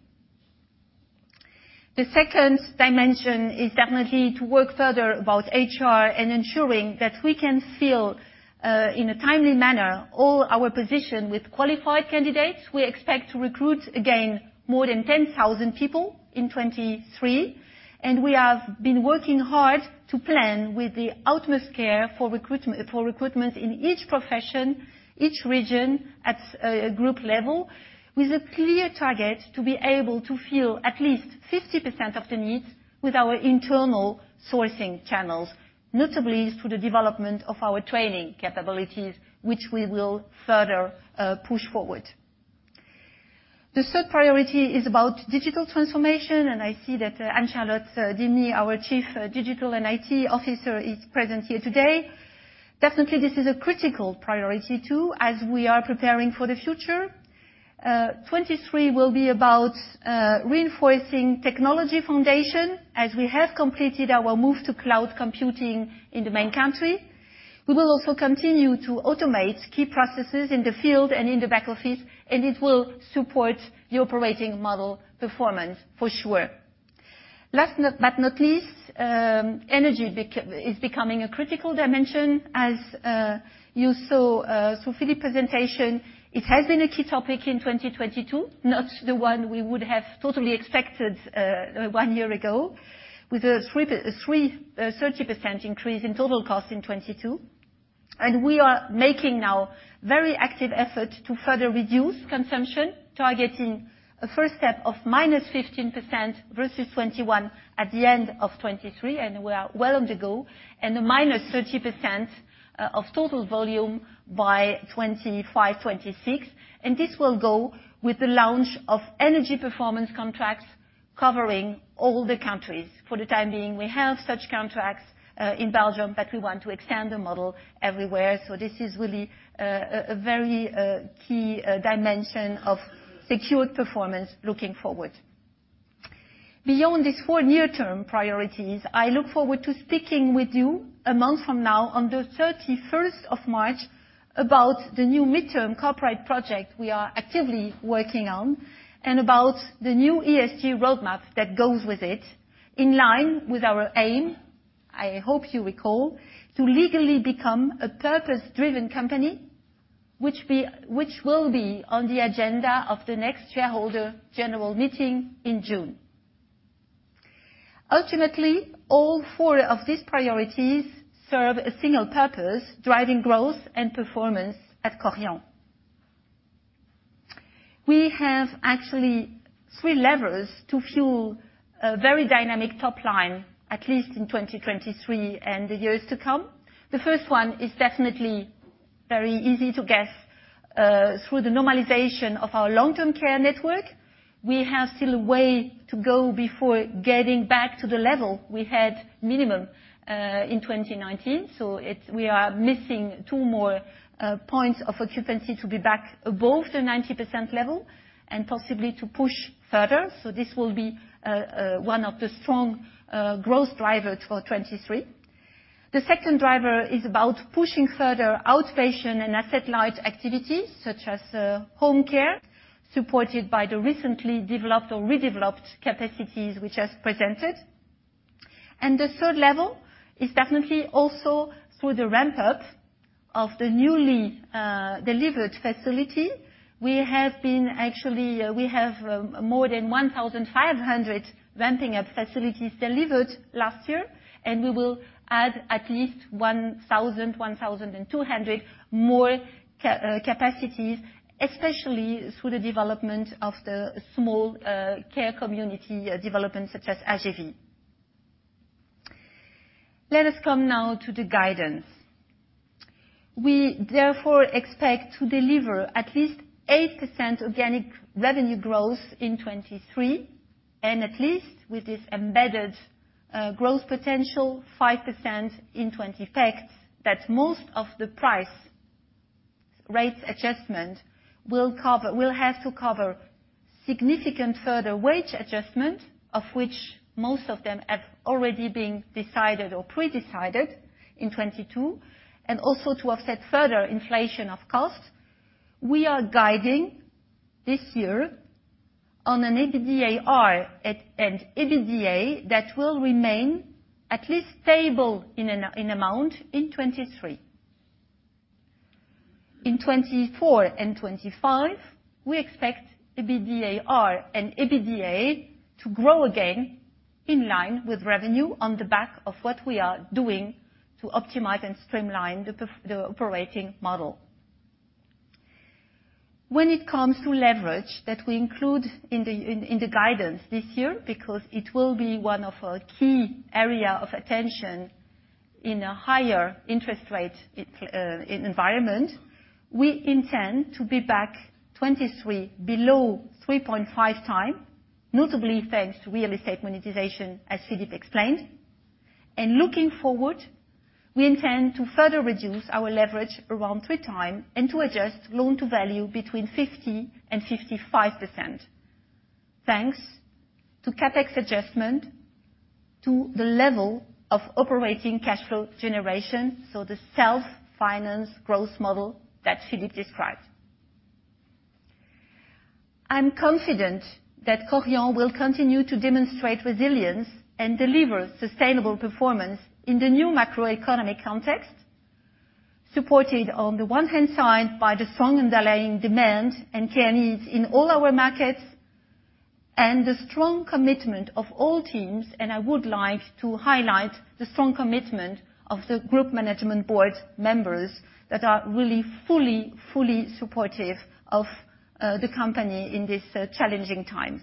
The second dimension is definitely to work further about HR and ensuring that we can fill in a timely manner all our position with qualified candidates. We expect to recruit again more than 10,000 people in 2023, and we have been working hard to plan with the utmost care for recruitment in each profession, each region at a group level, with a clear target to be able to fill at least 50% of the needs with our internal sourcing channels, notably through the development of our training capabilities, which we will further push forward. The third priority is about digital transformation, and I see that Anne-Charlotte Dymny, our Chief Digital and IT Officer, is present here today. Definitely, this is a critical priority too as we are preparing for the future. 2023 will be about reinforcing technology foundation as we have completed our move to cloud computing in the main country. We will also continue to automate key processes in the field and in the back office. It will support the operating model performance for sure. Last but not least, energy is becoming a critical dimension, as you saw through Philippe presentation. It has been a key topic in 2022, not the one we would have totally expected one year ago, with a 30% increase in total cost in 2022. We are making now very active effort to further reduce consumption, targeting a first step of -15% versus 2021 at the end of 2023, and a -30% of total volume by 2025, 2026. This will go with the launch of energy performance contracts covering all the countries. For the time being, we have such contracts, in Belgium, but we want to extend the model everywhere. This is really a very key dimension of secured performance looking forward. Beyond these four near-term priorities, I look forward to speaking with you a month from now on the 31st of March about the new midterm corporate project we are actively working on and about the new ESG roadmap that goes with it, in line with our aim, I hope you recall, to legally become a purpose-driven company, which will be on the agenda of the next shareholder general meeting in June. Ultimately, all four of these priorities serve a single purpose: driving growth and performance at Korian. We have actually three levers to fuel a very dynamic top line, at least in 2023 and the years to come. The first one is definitely very easy to guess, through the normalization of our long-term care network. We have still a way to go before getting back to the level we had minimum, in 2019. We are missing two more points of occupancy to be back above the 90% level and possibly to push further. This will be one of the strong growth drivers for 2023. The second driver is about pushing further outpatient and asset-light activities such as home care, supported by the recently developed or redeveloped capacities we just presented. The third level is definitely also through the ramp-up of the newly delivered facility. We have been actually, we have more than 1,500 ramping up facilities delivered last year. We will add at least 1,200 more capacities, especially through the development of the small care community developments such as Âges & Vie. Let us come now to the guidance. We therefore expect to deliver at least 8% organic revenue growth in 2023, and at least with this embedded growth potential, 5% in 2022. That most of the price rates adjustment will have to cover significant further wage adjustment, of which most of them have already been decided or pre-decided in 2022. Also to offset further inflation of costs, we are guiding this year on an EBITDAR and EBITDA that will remain at least stable in amount in 2023. In 2024 and 2025, we expect EBITDAR and EBITDA to grow again in line with revenue on the back of what we are doing to optimize and streamline the operating model. When it comes to leverage that we include in the guidance this year, because it will be one of our key area of attention in a higher interest rate environment. We intend to be back 2023 below 3.5x, notably thanks to real estate monetization, as Philippe explained. Looking forward, we intend to further reduce our leverage around 3x and to adjust loan to value between 50% and 55%. Thanks to CapEx adjustment to the level of operating cash flow generation, so the self-finance growth model that Philippe described. I'm confident that Korian will continue to demonstrate resilience and deliver sustainable performance in the new macroeconomic context. Supported on the one hand side by the strong underlying demand and care needs in all our markets, and the strong commitment of all teams, and I would like to highlight the strong commitment of the group management board members that are really fully supportive of the company in this challenging time.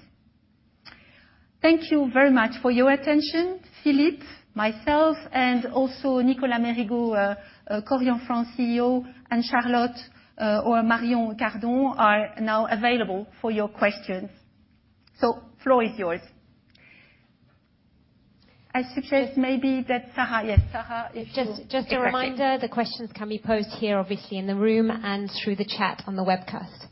Thank you very much for your attention. Philippe, myself, and also Nicolas Mérigot, Korian France CEO, and Charlotte, or Marion Cardon are now available for your questions. Floor is yours. I suggest maybe that Sara. Yes, Sara, if you Just a reminder, the questions can be posed here, obviously in the room and through the chat on the webcast.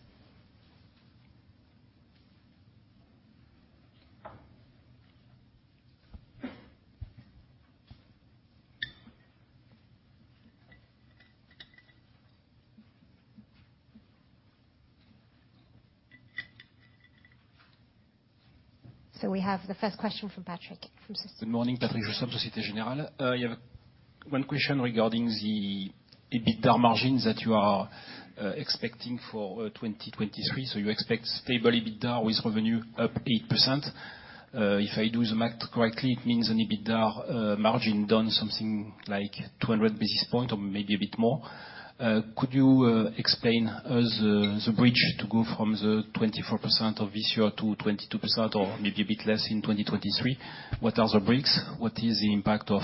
We have the first question from Patrick from Société. Good morning, Patrick Société Générale. One question regarding the EBITDA margins that you are expecting for 2023. You expect stable EBITDA with revenue up 8%. If I do the math correctly, it means an EBITDA margin down something like 200 basis points or maybe a bit more. Could you explain us the bridge to go from the 24% of this year to 22% or maybe a bit less in 2023? What are the breaks? What is the impact of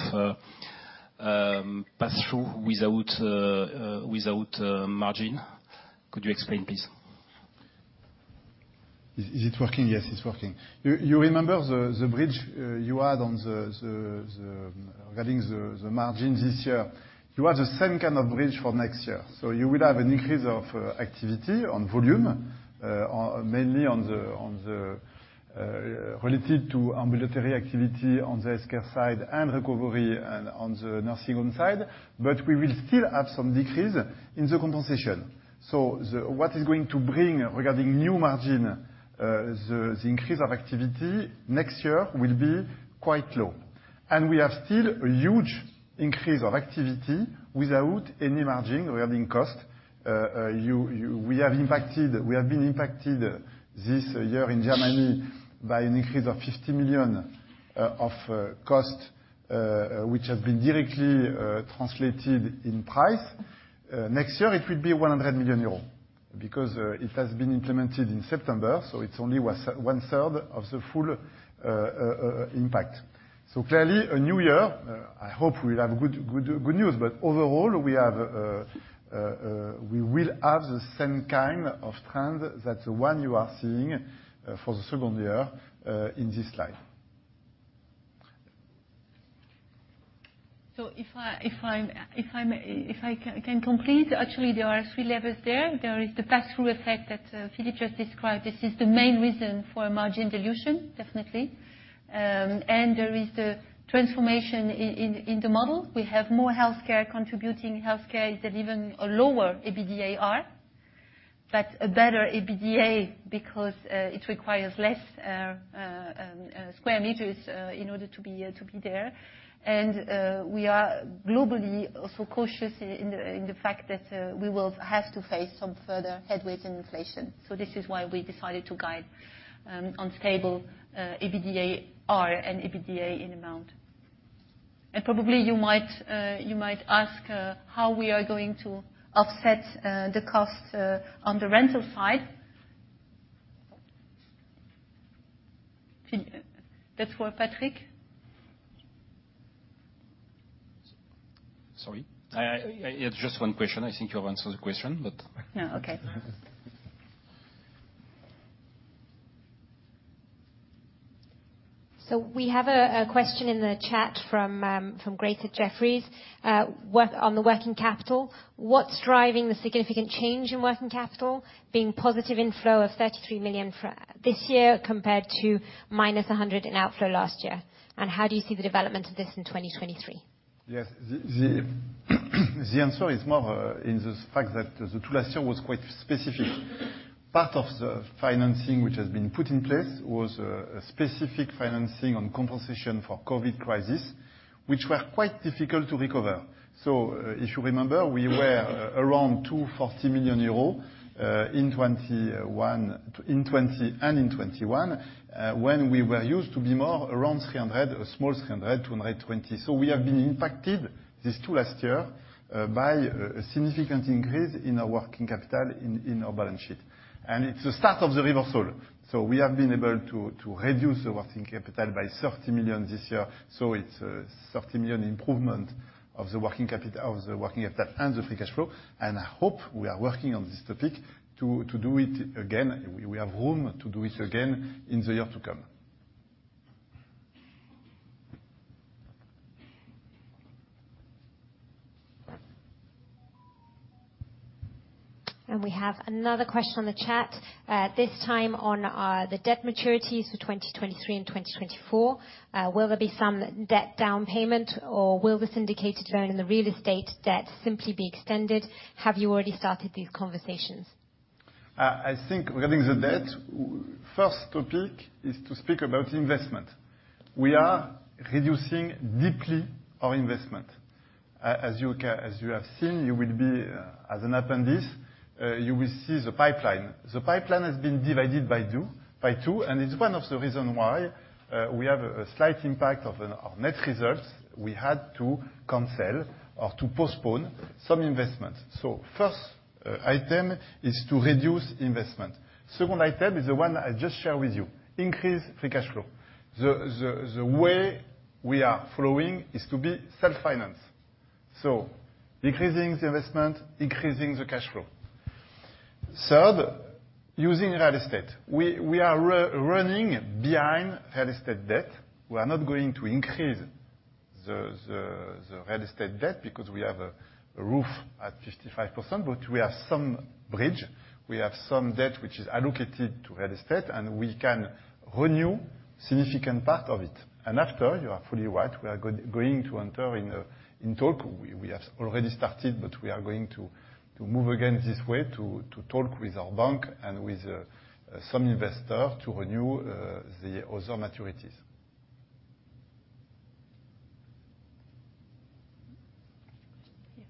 pass-through without margin? Could you explain, please? Is it working? Yes, it's working. You remember the bridge you had on the regarding the margin this year? You have the same kind of bridge for next year. You will have an increase of activity on volume on mainly on the related to ambulatory activity on the scale side and recovery and on the nursing home side. We will still have some decrease in the compensation. What is going to bring regarding new margin, the increase of activity next year will be quite low. We have still a huge increase of activity without any margin regarding cost. We have been impacted this year in Germany by an increase of 50 million of cost which has been directly translated in price. Next year it will be 100 million euros because it has been implemented in September, so it's only 1/3 of the full impact. Clearly a new year. I hope we'll have good news. Overall we will have the same kind of trend that the one you are seeing for the 2nd year in this slide. If I can complete, actually there are three levels there. There is the pass-through effect that Philippe just described. This is the main reason for margin dilution, definitely. there is the transformation in the model. We have more healthcare contributing. Healthcare is at even a lower EBITDAR, but a better EBITDA because it requires less square meters in order to be there. we are globally also cautious in the fact that we will have to face some further headwinds in inflation. This is why we decided to guide on stable EBITDAR and EBITDA in amount. Probably you might ask how we are going to offset the cost on the rental side. That's for Patrick? Sorry. I... It's just one question. I think you have answered the question, but- Yeah, okay. We have a question in the chat from Greta at Jefferies on the working capital. What's driving the significant change in working capital being positive inflow of 33 million for this year compared to minus 100 million in outflow last year? How do you see the development of this in 2023? Yes. The answer is more in this fact that the two last year was quite specific. Part of the financing, which has been put in place, was a specific financing on compensation for COVID crisis, which were quite difficult to recover. If you remember, we were around 240 million euros in 2020 and in 2021, when we were used to be more around 300 million or small 300 million, 220 million. We have been impacted this 2 last year by a significant increase in our working capital in our balance sheet. It's the start of the reversal. We have been able to reduce the working capital by 30 million this year, so it's a 30 million improvement of the working capital and the free cash flow. I hope we are working on this topic to do it again. We have room to do it again in the year to come. We have another question on the chat, this time on, the debt maturities for 2023 and 2024. Will there be some debt down payment, or will the syndicated loan and the real estate debt simply be extended? Have you already started these conversations? I think regarding the debt, first topic is to speak about investment. We are reducing deeply our investment. As you have seen, you will be, as an appendix, you will see the pipeline. The pipeline has been divided by two, and it's one of the reason why we have a slight impact of our net results. We had to cancel or to postpone some investments. First, item is to reduce investment. Second item is the one I just shared with you, increase free cash flow. The way we are flowing is to be self-finance. Decreasing the investment, increasing the cash flow. Third, using real estate. We are running behind real estate debt. We are not going to increase the real estate debt because we have a roof at 55%. We have some bridge. We have some debt which is allocated to real estate. We can renew significant part of it. After, you are fully right, we are going to enter in talk. We have already started. We are going to move again this way to talk with our bank and with some investor to renew the other maturities. Any question here?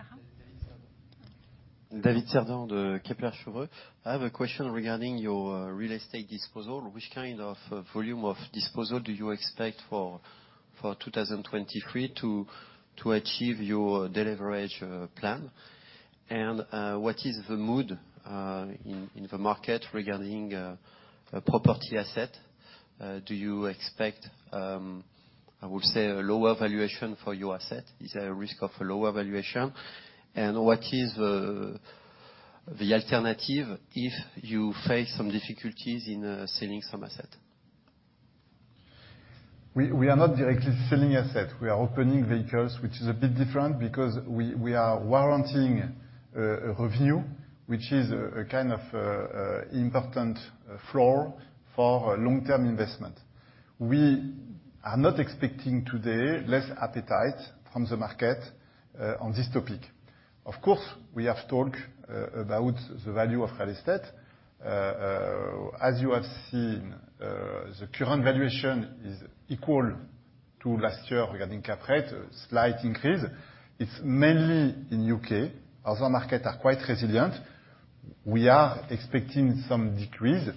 Aram? Aram? David Cerdan. David Cerdan de Kepler Cheuvreux. I have a question regarding your real estate disposal. Which kind of volume of disposal do you expect for 2023 to achieve your deleverage plan? What is the mood in the market regarding property asset? Do you expect, I would say, a lower valuation for your asset? Is there a risk of a lower valuation? What is the alternative if you face some difficulties in selling some asset? We are not directly selling asset. We are opening vehicles, which is a bit different because we are warrantying revenue, which is a kind of important floor for long-term investment. We are not expecting today less appetite from the market on this topic. Of course, we have talked about the value of real estate. As you have seen, the current valuation is equal to last year regarding cap rate, slight increase. It's mainly in U.K. Other market are quite resilient. We are expecting some decrease.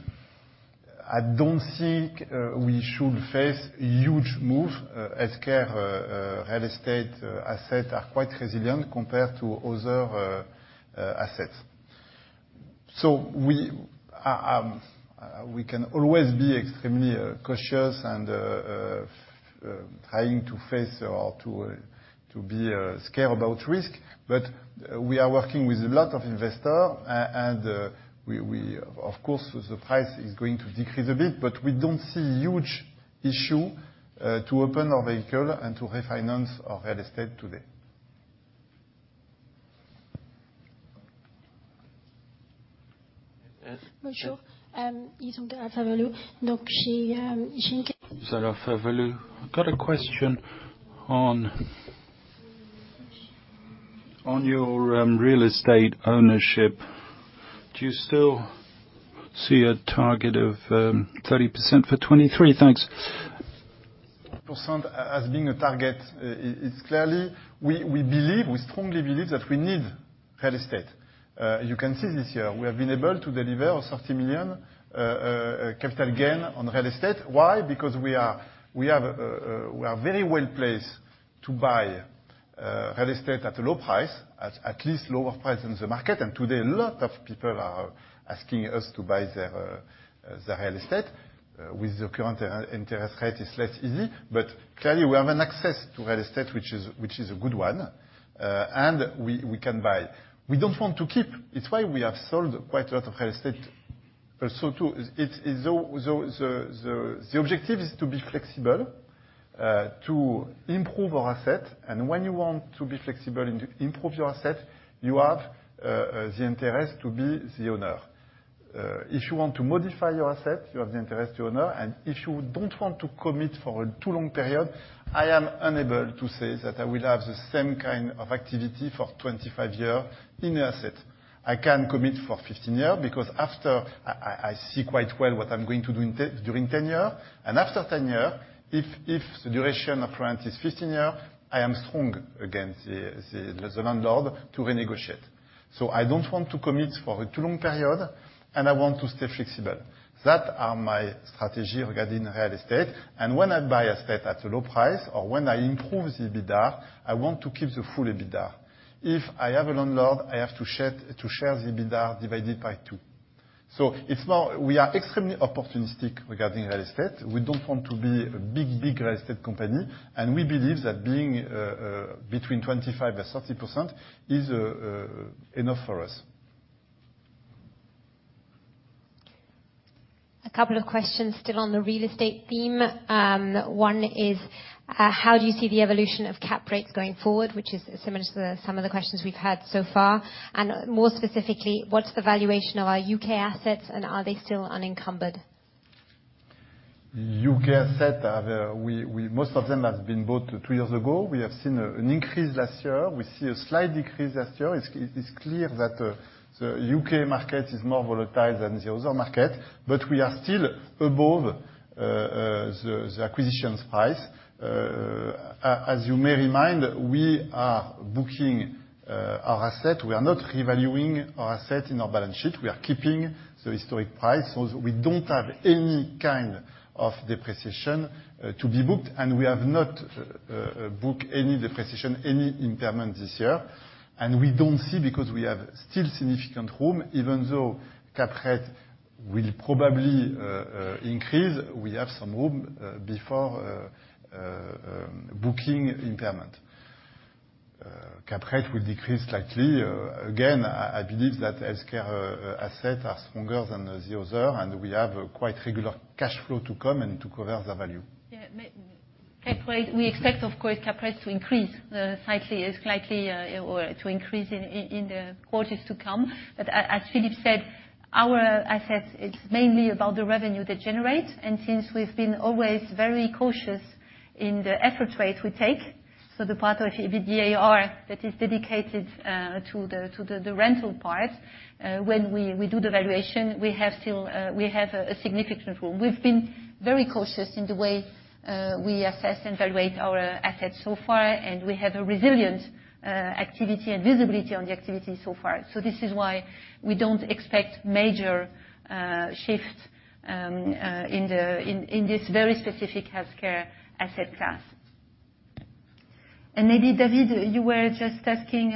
I don't think we should face huge move as care real estate asset are quite resilient compared to other assets. We can always be extremely cautious and trying to face or to be scared about risk. We are working with a lot of investor and we. Of course, the price is going to decrease a bit, but we don't see huge issue to open our vehicle and to refinance our real estate today. Yes. Bonjour. Yi Zhong, AlphaValue. Sir AlphaValue. I've got a question on your real estate ownership. Do you still see a target of 30% for 2023? Thanks. Percent as being a target, it's clearly we believe, we strongly believe that we need real estate. You can see this year, we have been able to deliver a 30 million capital gain on real estate. Why? Because we are, we have, we are very well placed to buy real estate at a low price, at least lower price than the market. Today, a lot of people are asking us to buy their real estate. With the current interest rate it's less easy, but clearly, we have an access to real estate which is a good one. We can buy. We don't want to keep. It's why we have sold quite a lot of real estate. Too, it's the objective is to be flexible, to improve our asset. When you want to be flexible and improve your asset, you have the interest to be the owner. If you want to modify your asset, you have the interest to owner, and if you don't want to commit for a too long period, I am unable to say that I will have the same kind of activity for 25 year in the asset. I can commit for 15 year because after I see quite well what I'm going to do during 10 year and after 10 year, if the duration of rent is 15 year, I am strong against the landlord to renegotiate. I don't want to commit for a too long period, and I want to stay flexible. That are my strategy regarding real estate. When I buy asset at a low price or when I improve the EBITDA, I want to keep the full EBITDA. If I have a landlord, I have to share the EBITDA divided by two. It's now we are extremely opportunistic regarding real estate. We don't want to be a big real estate company, and we believe that being between 25% and 30% is enough for us. A couple of questions still on the real estate theme. One is, how do you see the evolution of cap rates going forward, which is similar to the some of the questions we've had so far? More specifically, what's the valuation of our U.K. assets and are they still unencumbered? U.K. asset, we most of them have been bought two years ago. We have seen an increase last year. We see a slight decrease last year. It's clear that the U.K. market is more volatile than the other market, we are still above the acquisitions price. As you may remind, we are booking our asset. We are not revaluing our asset in our balance sheet. We are keeping the historic price, we don't have any kind of depreciation to be booked, we have not book any depreciation, any impairment this year. We don't see because we have still significant room. Even though cap rate will probably increase, we have some room before booking impairment. Cap rate will decrease slightly. Again, I believe that healthcare asset are stronger than the other, and we have a quite regular cash flow to come and to cover the value. Cap rate, we expect, of course, cap rates to increase slightly, or to increase in the quarters to come. As Philippe said, our asset is mainly about the revenue they generate. Since we've been always very cautious in the effort rate we take, so the part of EBITDA that is dedicated to the rental part, when we do the valuation, we have still a significant role. We've been very cautious in the way we assess and evaluate our assets so far, and we have a resilient activity and visibility on the activity so far. This is why we don't expect major shifts in this very specific healthcare asset class. Maybe, David, you were just asking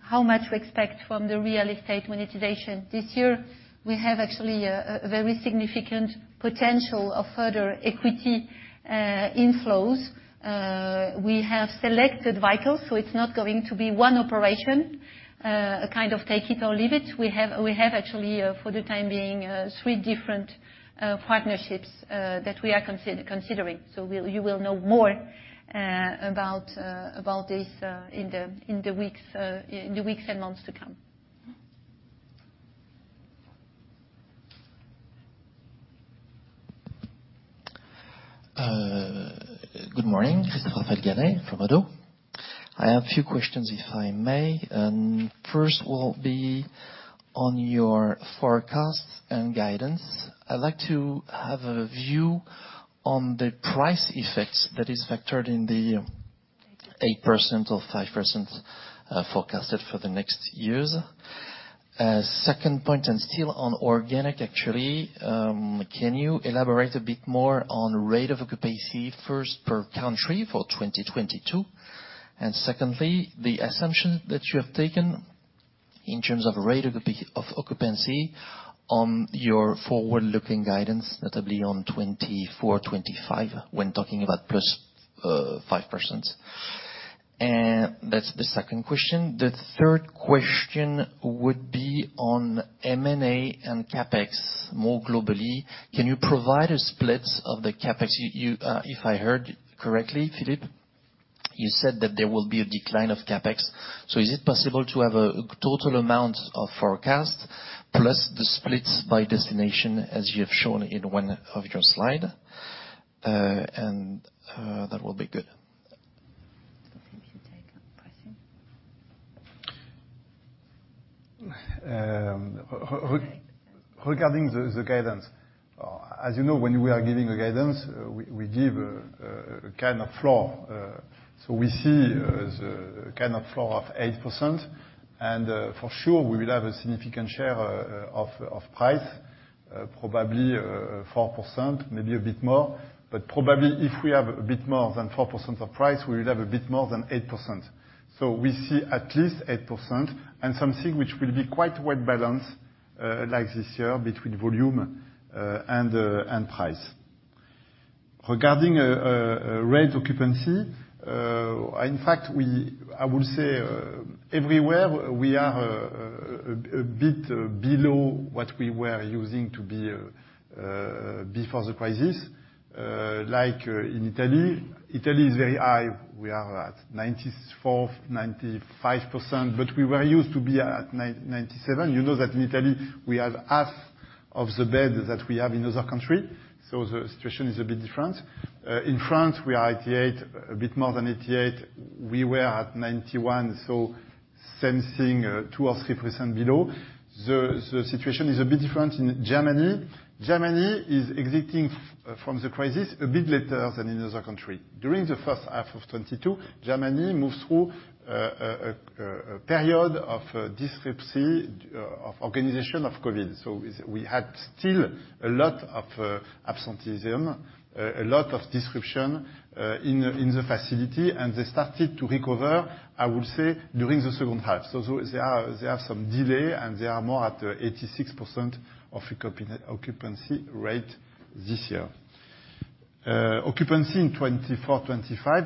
how much we expect from the real estate monetization. This year, we have actually a very significant potential of further equity inflows. We have selected vital, so it's not going to be one operation, a kind of take it or leave it. We have actually, for the time being, three different partnerships that we are considering. You will know more about this in the weeks and months to come. Good morning. This is Jean-Christophe Ganaye from Oddo. I have a few questions, if I may. First will be on your forecast and guidance. I'd like to have a view on the price effects that is factored in the 8% or 5% forecasted for the next years. Second point, still on organic, actually, can you elaborate a bit more on rate of occupancy, first per country for 2022, and secondly, the assumption that you have taken in terms of rate of occupancy on your forward-looking guidance, notably on 2024, 2025, when talking about +5%. That's the second question. The third question would be on M&A and CapEx more globally. Can you provide a split of the CapEx? You, if I heard correctly, Philippe, you said that there will be a decline of CapEx. Is it possible to have a total amount of forecast plus the splits by destination as you have shown in one of your slide? That will be good. I think you take that, Philippe. Regarding the guidance, as you know, when we are giving a guidance, we give a kind of floor, so we see the kind of floor of 8%. For sure, we will have a significant share of price, probably 4%, maybe a bit more. Probably if we have a bit more than 4% of price, we will have a bit more than 8%. We see at least 8% and something which will be quite well balanced. Like this year between volume and price. Regarding rate occupancy, in fact, I would say everywhere we are a bit below what we were using to be before the crisis. Like in Italy. Italy is very high. We are at 94%-95%, but we were used to be at 97%. You know that in Italy we have half of the bed that we have in other country, so the situation is a bit different. In France, we are 88%, a bit more than 88%. We were at 91%, so sensing 2% or 3% below. The situation is a bit different in Germany. Germany is exiting from the crisis a bit later than in other country. During the first half of 2022, Germany moves through a period of disruption of organization of COVID. We had still a lot of absenteeism, a lot of disruption in the facility, and they started to recover, I would say, during the second half. They are some delay, and they are more at 86% of occupancy rate this year. Occupancy in 2024, 2025,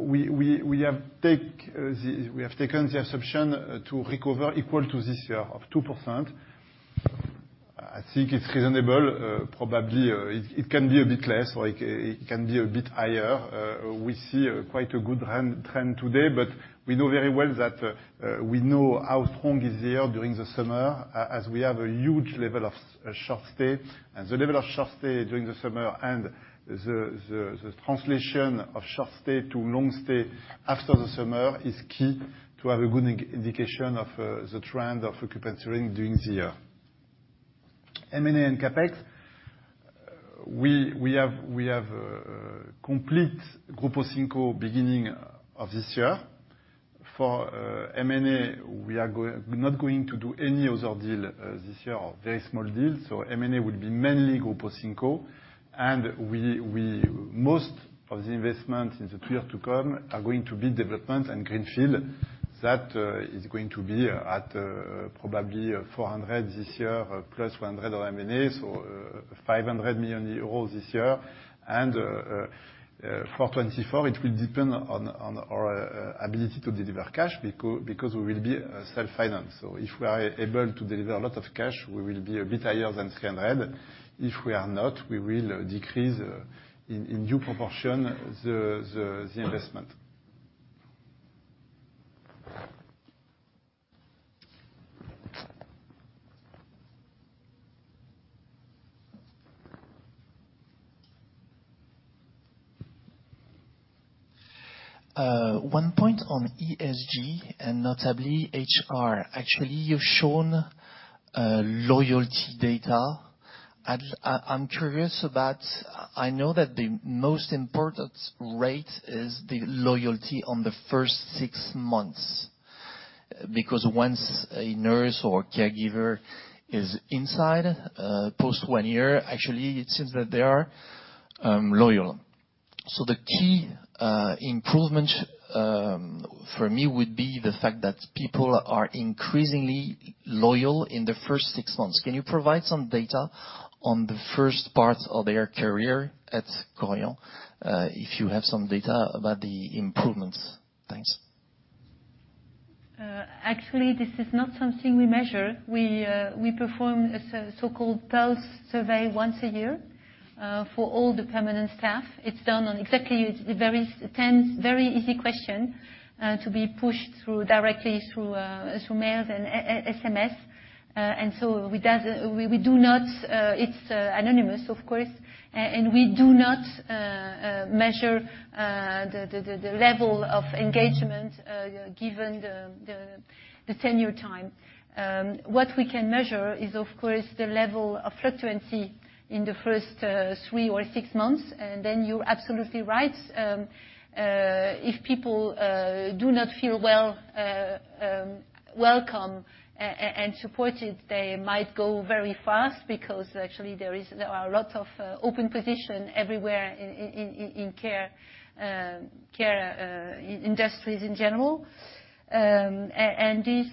we have taken the assumption to recover equal to this year of 2%. I think it's reasonable. Probably, it can be a bit less, like, it can be a bit higher. We see quite a good trend today, but we know very well that we know how strong is the year during the summer as we have a huge level of short stay. The level of short stay during the summer and the translation of short stay to long stay after the summer is key to have a good indication of the trend of occupancy rate during the year. M&A and CapEx, we have complete Grupo 5 beginning of this year. M&A, we're not going to do any other deal this year, or very small deal. M&A will be mainly Grupo 5. Most of the investments in the two year to come are going to be development and greenfield. That is going to be at probably 400 this year, plus 400 on M&A, so 500 million euros this year. For 2024, it will depend on our ability to deliver cash because we will be self-financed. If we are able to deliver a lot of cash, we will be a bit higher than 300. If we are not, we will decrease in due proportion the investment. One point on ESG and notably HR. Actually, you've shown loyalty data. I'm curious about. I know that the most important rate is the loyalty on the first six months, because once a nurse or caregiver is inside, post one year, actually it seems that they are loyal. The key improvement for me would be the fact that people are increasingly loyal in the first six months. Can you provide some data on the first part of their career at Korian, if you have some data about the improvements? Thanks. Actually, this is not something we measure. We perform a so-called pulse survey once a year for all the permanent staff. It's done on exactly 10 very easy question to be pushed through, directly through mail and SMS. So we do not. It's anonymous, of course. We do not measure the level of engagement given the tenure time. What we can measure is, of course, the level of fluctuancy in the first three or six months. Then you're absolutely right. If people do not feel well, welcome and supported, they might go very fast because actually there are a lot of open position everywhere in care industries in general. This,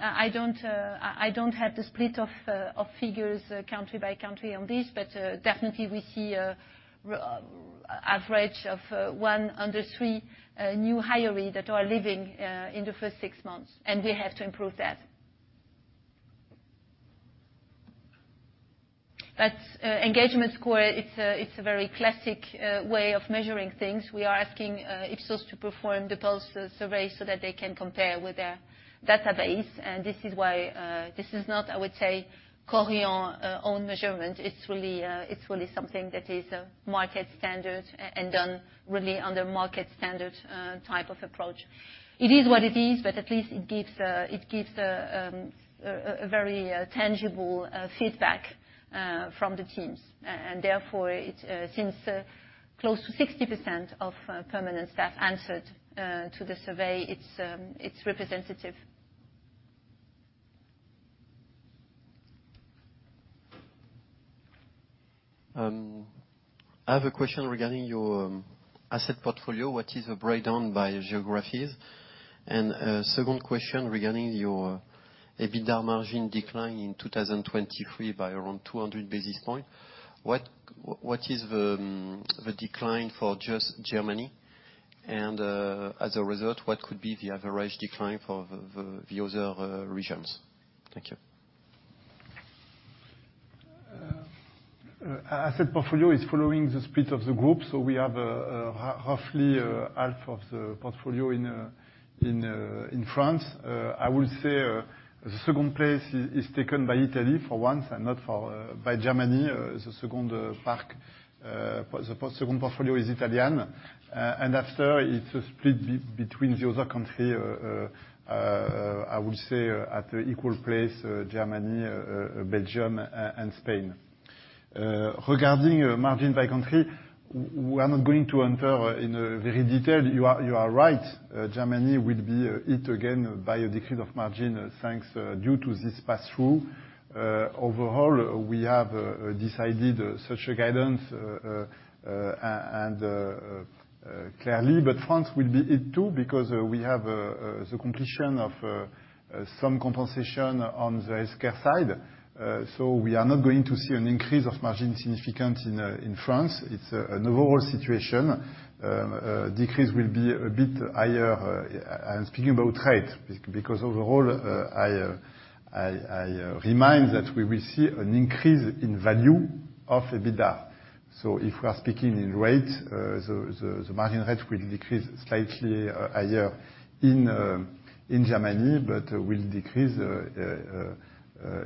I don't have the split of figures country by country on this, but definitely we see a average of one under three new hiree that are leaving in the first six months, and we have to improve that. That engagement score, it's a, it's a very classic way of measuring things. We are asking Ipsos to perform the pulse survey so that they can compare with their database. This is why, this is not, I would say, Korian own measurement. It's really, it's really something that is a market standard and done really on the market standard type of approach. It is what it is, but at least it gives, it gives a very tangible feedback from the teams. Therefore, it, since, close to 60% of permanent staff answered to the survey, it's representative. I have a question regarding your asset portfolio. What is the breakdown by geographies? A second question regarding your EBITDA margin decline in 2023 by around 200 basis points. What is the decline for just Germany? As a result, what could be the average decline for the other regions? Thank you. Asset portfolio is following the split of the group. We have roughly half of the portfolio in France. I will say, the second place is taken by Italy for once, and not for by Germany. The second park, the second portfolio is Italian. After, it's a split between the other country, I would say at equal place, Germany, Belgium, and Spain. Regarding margin by country, we are not going to enter in a very detailed. You are right, Germany will be hit again by a decline of margin, thanks, due to this pass-through. Overall, we have decided such a guidance and clearly, France will be hit too, because we have the completion of some compensation on the SCAC side. We are not going to see an increase of margin significant in France. It's an overall situation. Decrease will be a bit higher. I'm speaking about rate, because overall, I remind that we will see an increase in value of EBITDA. If we are speaking in rate, the margin rate will decrease slightly higher in Germany, but will decrease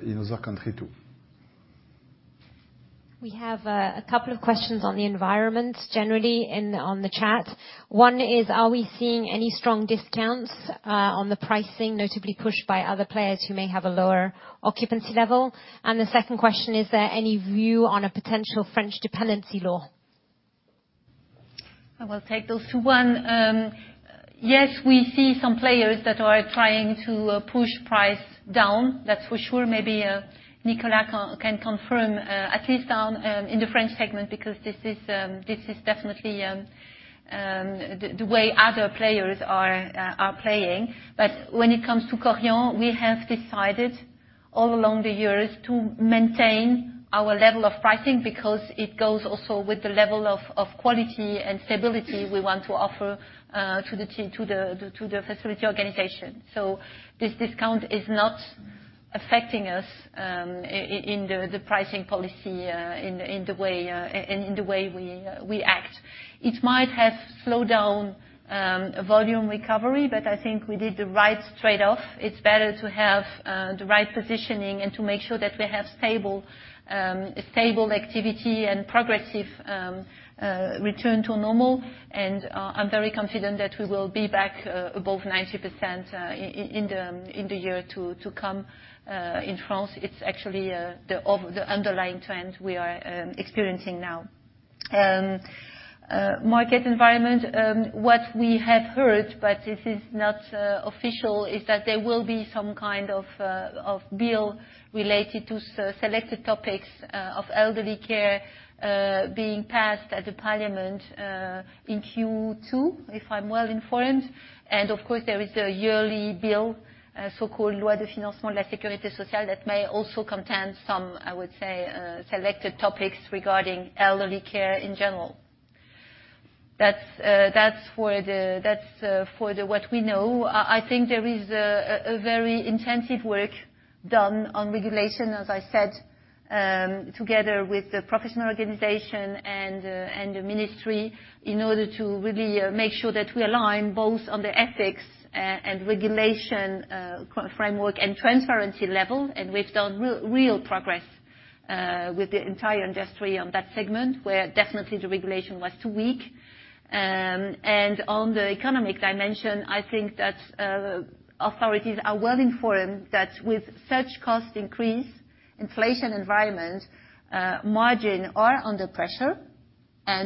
in other country too. We have a couple of questions on the environment, generally, on the chat. One is, are we seeing any strong discounts on the pricing notably pushed by other players who may have a lower occupancy level? The second question, is there any view on a potential French dependency law? I will take those two. One, yes, we see some players that are trying to push price down. That's for sure. Maybe, Nicolas can confirm, at least on, in the French segment, because this is definitely the way other players are playing. When it comes to Korian, we have decided all along the years to maintain our level of pricing because it goes also with the level of quality and stability we want to offer to the facility organization. This discount is not affecting us in the pricing policy, in the way we act. It might have slowed down volume recovery, but I think we did the right trade-off. It's better to have the right positioning and to make sure that we have stable activity and progressive return to normal. I'm very confident that we will be back above 90% in the year to come in France. It's actually the underlying trend we are experiencing now. Market environment, what we have heard, but this is not official, is that there will be some kind of bill related to selected topics of elderly care being passed at the parliament in Q2, if I'm well informed. Of course, there is a yearly bill, a so-called La Loi de financement de la sécurité sociale, that may also contain some, I would say, selected topics regarding elderly care in general. That's for the what we know. I think there is a very intensive work done on regulation, as I said, together with the professional organization and the ministry, in order to really make sure that we align both on the ethics and regulation framework and transparency level. We've done real progress with the entire industry on that segment, where definitely the regulation was too weak. On the economic dimension, I think that authorities are well informed that with such cost increase, inflation environment, margin are under pressure.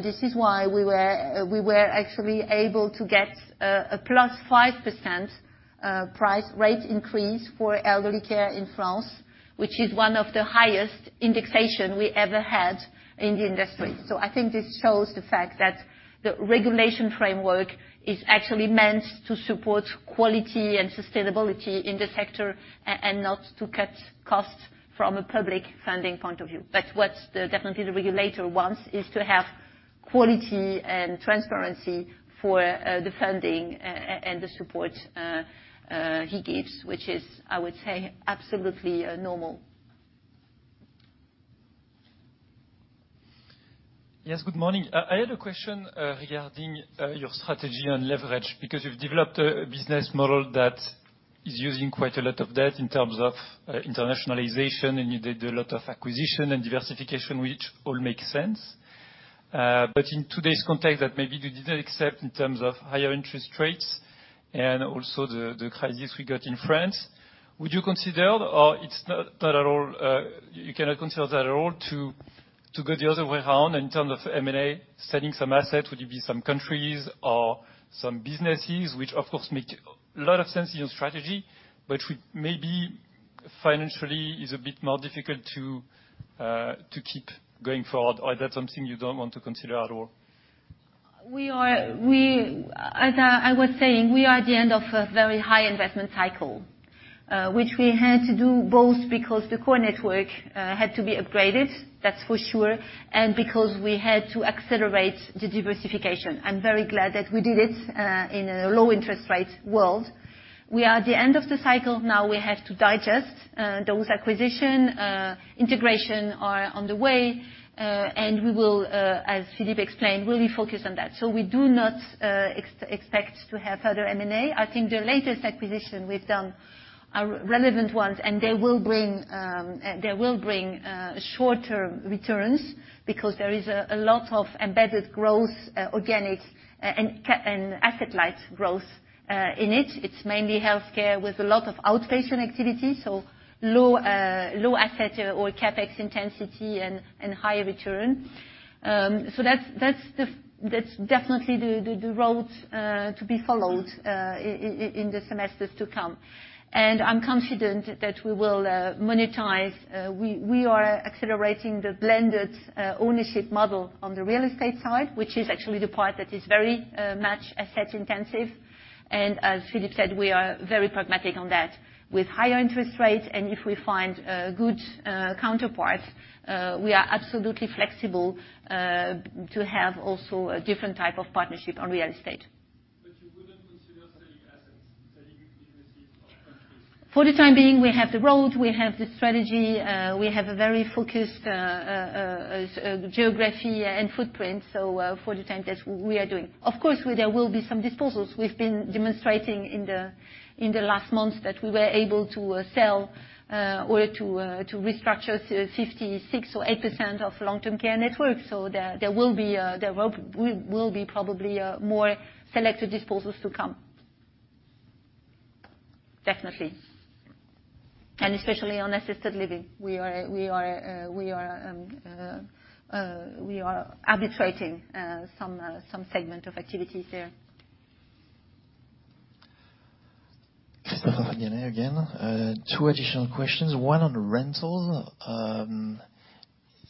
This is why we were actually able to get a +5% price rate increase for elderly care in France, which is one of the highest indexation we ever had in the industry. I think this shows the fact that the regulation framework is actually meant to support quality and sustainability in the sector and not to cut costs from a public funding point of view. What's the, definitely the regulator wants is to have quality and transparency for the funding and the support he gives, which is, I would say, absolutely normal. Yes. Good morning. I had a question regarding your strategy on leverage, because you've developed a business model that is using quite a lot of debt in terms of internationalization, and you did a lot of acquisition and diversification, which all makes sense. In today's context that maybe you didn't accept in terms of higher interest rates and also the crisis we got in France, would you consider or it's not at all, you cannot consider at all to go the other way around in terms of M&A, selling some assets, would it be some countries or some businesses, which of course make a lot of sense in your strategy, but which may be? Financially, is a bit more difficult to keep going forward, or that's something you don't want to consider at all? As I was saying, we are at the end of a very high investment cycle, which we had to do both because the core network had to be upgraded, that's for sure, and because we had to accelerate the diversification. I'm very glad that we did it in a low interest rate world. We are at the end of the cycle now we have to digest. Those acquisition integration are on the way, and we will, as Philippe explained, we'll be focused on that. We do not expect to have further M&A. I think the latest acquisition we've done are relevant ones, and they will bring, they will bring short-term returns because there is a lot of embedded growth, organic and asset light growth in it. It's mainly healthcare with a lot of outpatient activity, so low, low asset or CapEx intensity and higher return. That's the, that's definitely the road to be followed in the semesters to come. I'm confident that we will monetize. We are accelerating the blended ownership model on the real estate side, which is actually the part that is very much asset intensive. As Philippe said, we are very pragmatic on that. With higher interest rates and if we find good counterparts, we are absolutely flexible to have also a different type of partnership on real estate. You wouldn't consider selling assets, selling businesses or countries? For the time being, we have the road, we have the strategy, we have a very focused geography and footprint. For the time that we are doing, of course, there will be some disposals. We've been demonstrating in the last months that we were able to sell or to restructure 56% or 8% of long-term care network. There will be there will be probably more selected disposals to come, definitely. Especially on assisted living, we are we are we are arbitrating some segment of activities there. Christophe Ganaye again. Two additional questions. One on rental.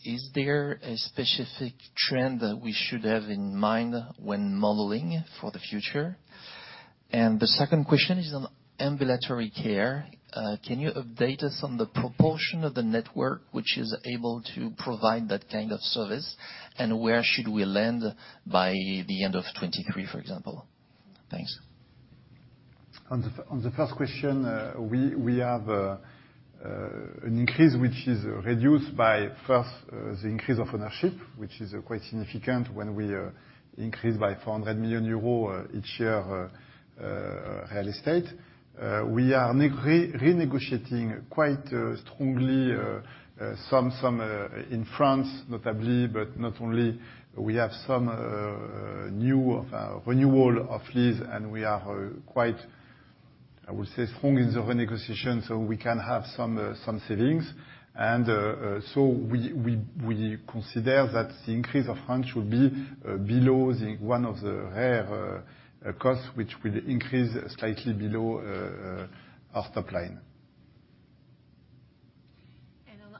Is there a specific trend that we should have in mind when modeling for the future? The second question is on ambulatory care. Can you update us on the proportion of the network which is able to provide that kind of service, and where should we land by the end of 2023, for example? Thanks. On the first question, we have an increase which is reduced by, first, the increase of ownership, which is quite significant when we increase by 400 million euro each year real estate. We are renegotiating quite strongly some in France, notably, but not only we have some new renewal of lease and we are quite, I would say, strong in the renegotiation, we can have some savings. We consider that the increase of rent should be below the one of the rare cost which will increase slightly below our top line.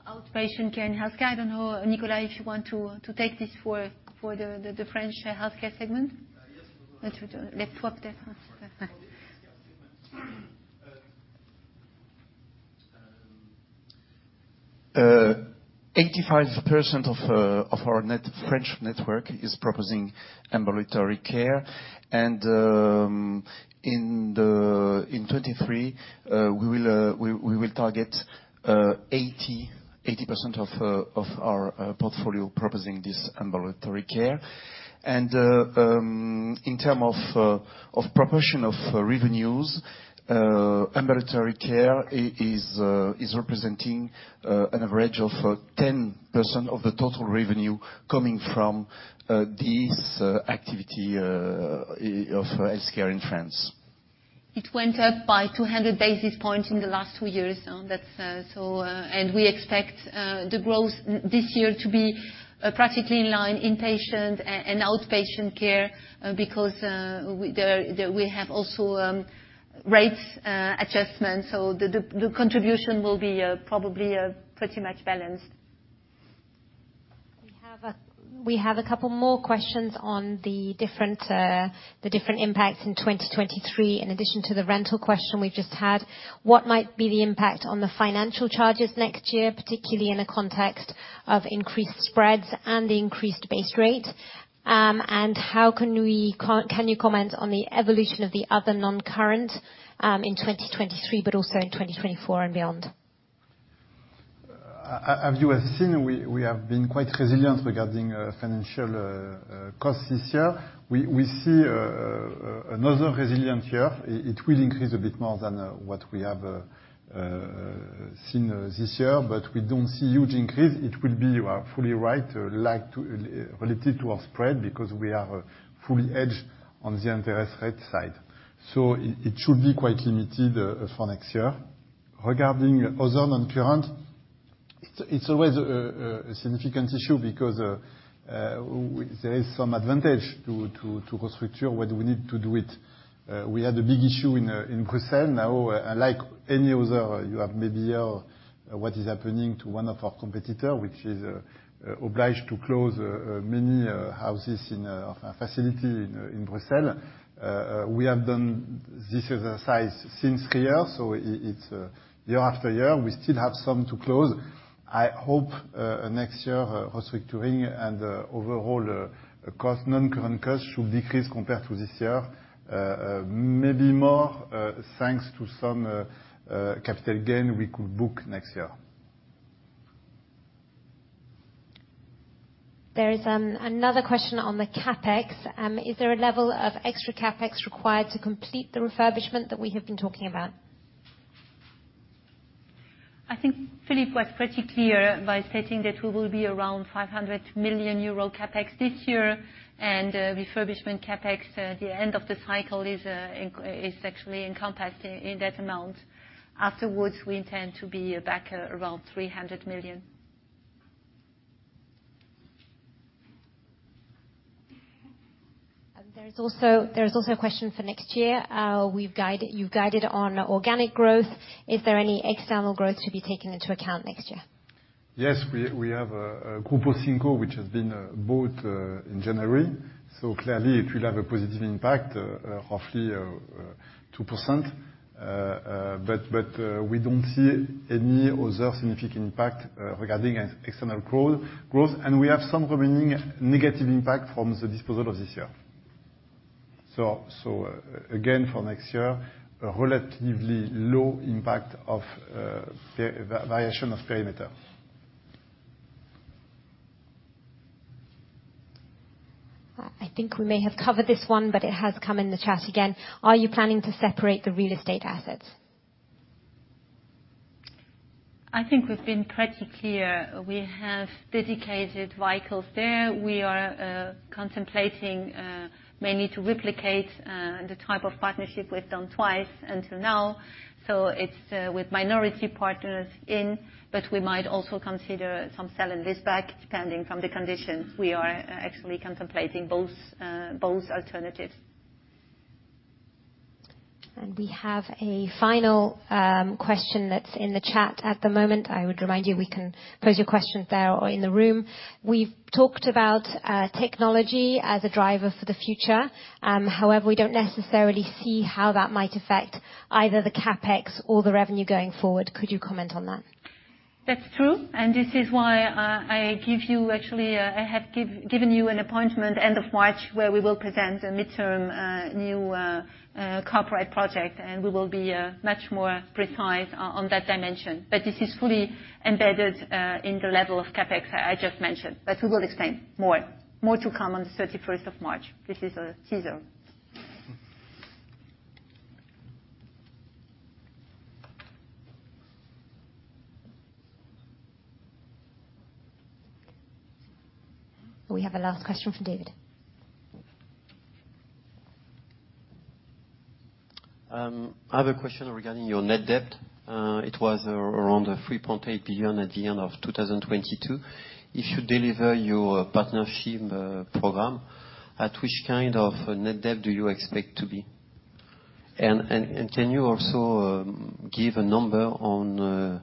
On outpatient care and healthcare, I don't know, Nicolas, if you want to take this for the French healthcare segment. Yes. Let's swap that one. 85% of our net- Yeah. French network is proposing ambulatory care. In 2023, we will target 80% of our portfolio proposing this ambulatory care. In term of proportion of revenues, ambulatory care is representing an average of 10% of the total revenue coming from this activity of healthcare in France. It went up by 200 basis points in the last two years. We expect the growth this year to be practically in line, inpatient and outpatient care, because there we have also rates adjustments. The contribution will be probably pretty much balanced. We have a couple more questions on the different, the different impacts in 2023. In addition to the rental question we've just had, what might be the impact on the financial charges next year, particularly in a context of increased spreads and the increased base rate? How can you comment on the evolution of the other non-current in 2023, but also in 2024 and beyond? As you have seen, we have been quite resilient regarding financial costs this year. We see another resilient year. It will increase a bit more than what we have seen this year, but we don't see huge increase. It will be, you are fully right, relative to our spread because we are fully hedged on the interest rate side. It should be quite limited for next year. Regarding other non-current. It's always a significant issue because there is some advantage to restructure when we need to do it. We had a big issue in Brussels now, and like any other, you have maybe heard what is happening to one of our competitor, which is obliged to close many houses in a facility in Brussels. We have done this exercise since three years, so it's year after year, we still have some to close. I hope next year, restructuring and overall cost, non-current costs should decrease compared to this year. Maybe more thanks to some capital gain we could book next year. There is another question on the CapEx. Is there a level of extra CapEx required to complete the refurbishment that we have been talking about? I think Philippe was pretty clear by stating that we will be around 500 million euro CapEx this year, and refurbishment CapEx at the end of the cycle is actually encompassed in that amount. Afterwards, we intend to be back around 300 million. There is also a question for next year. You've guided on organic growth. Is there any external growth to be taken into account next year? Yes. We have Grupo 5, which has been bought in January. Clearly it will have a positive impact, roughly 2%. But we don't see any other significant impact, regarding an external growth, and we have some remaining negative impact from the disposal of this year. Again, for next year, a relatively low impact of variation of perimeter. I think we may have covered this one, it has come in the chat again. Are you planning to separate the real estate assets? I think we've been pretty clear. We have dedicated vehicles there. We are contemplating mainly to replicate the type of partnership we've done twice until now. It's with minority partners in, but we might also consider some sell and lease back, depending from the conditions. We are actually contemplating both both alternatives. We have a final question that's in the chat at the moment. I would remind you, we can pose your questions there or in the room. We've talked about technology as a driver for the future. However, we don't necessarily see how that might affect either the CapEx or the revenue going forward. Could you comment on that? That's true. This is why, I give you actually, I have given you an appointment end of March, where we will present a midterm, new, corporate project, and we will be much more precise on that dimension. This is fully embedded, in the level of CapEx I just mentioned, but we will explain more. More to come on the 31st of March. This is a teaser. We have a last question from David. I have a question regarding your net debt. It was around 3.8 billion at the end of 2022. If you deliver your partnership program, at which kind of net debt do you expect to be? Can you also give a number on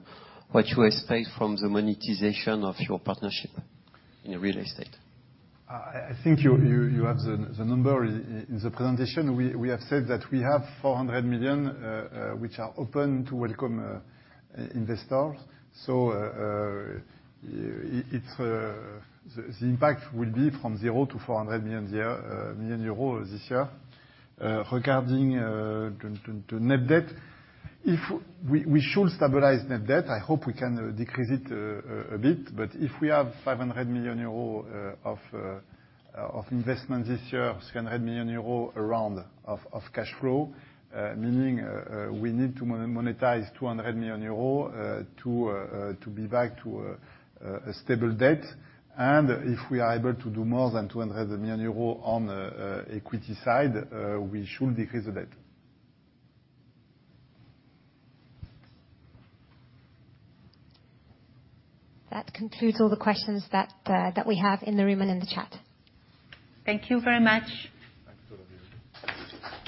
what you expect from the monetization of your partnership in real estate? I think you have the number in the presentation. We have said that we have 400 million which are open to welcome investors. It's the impact will be from 0 to 400 million euros this year. Regarding net debt, if we should stabilize net debt, I hope we can decrease it a bit, but if we have 500 million euro of investment this year, 500 million euro around of cash flow, meaning we need to monetize 200 million euros to be back to a stable debt. If we are able to do more than 200 million euros on equity side, we should decrease the debt. That concludes all the questions that we have in the room and in the chat. Thank you very much. Thank you.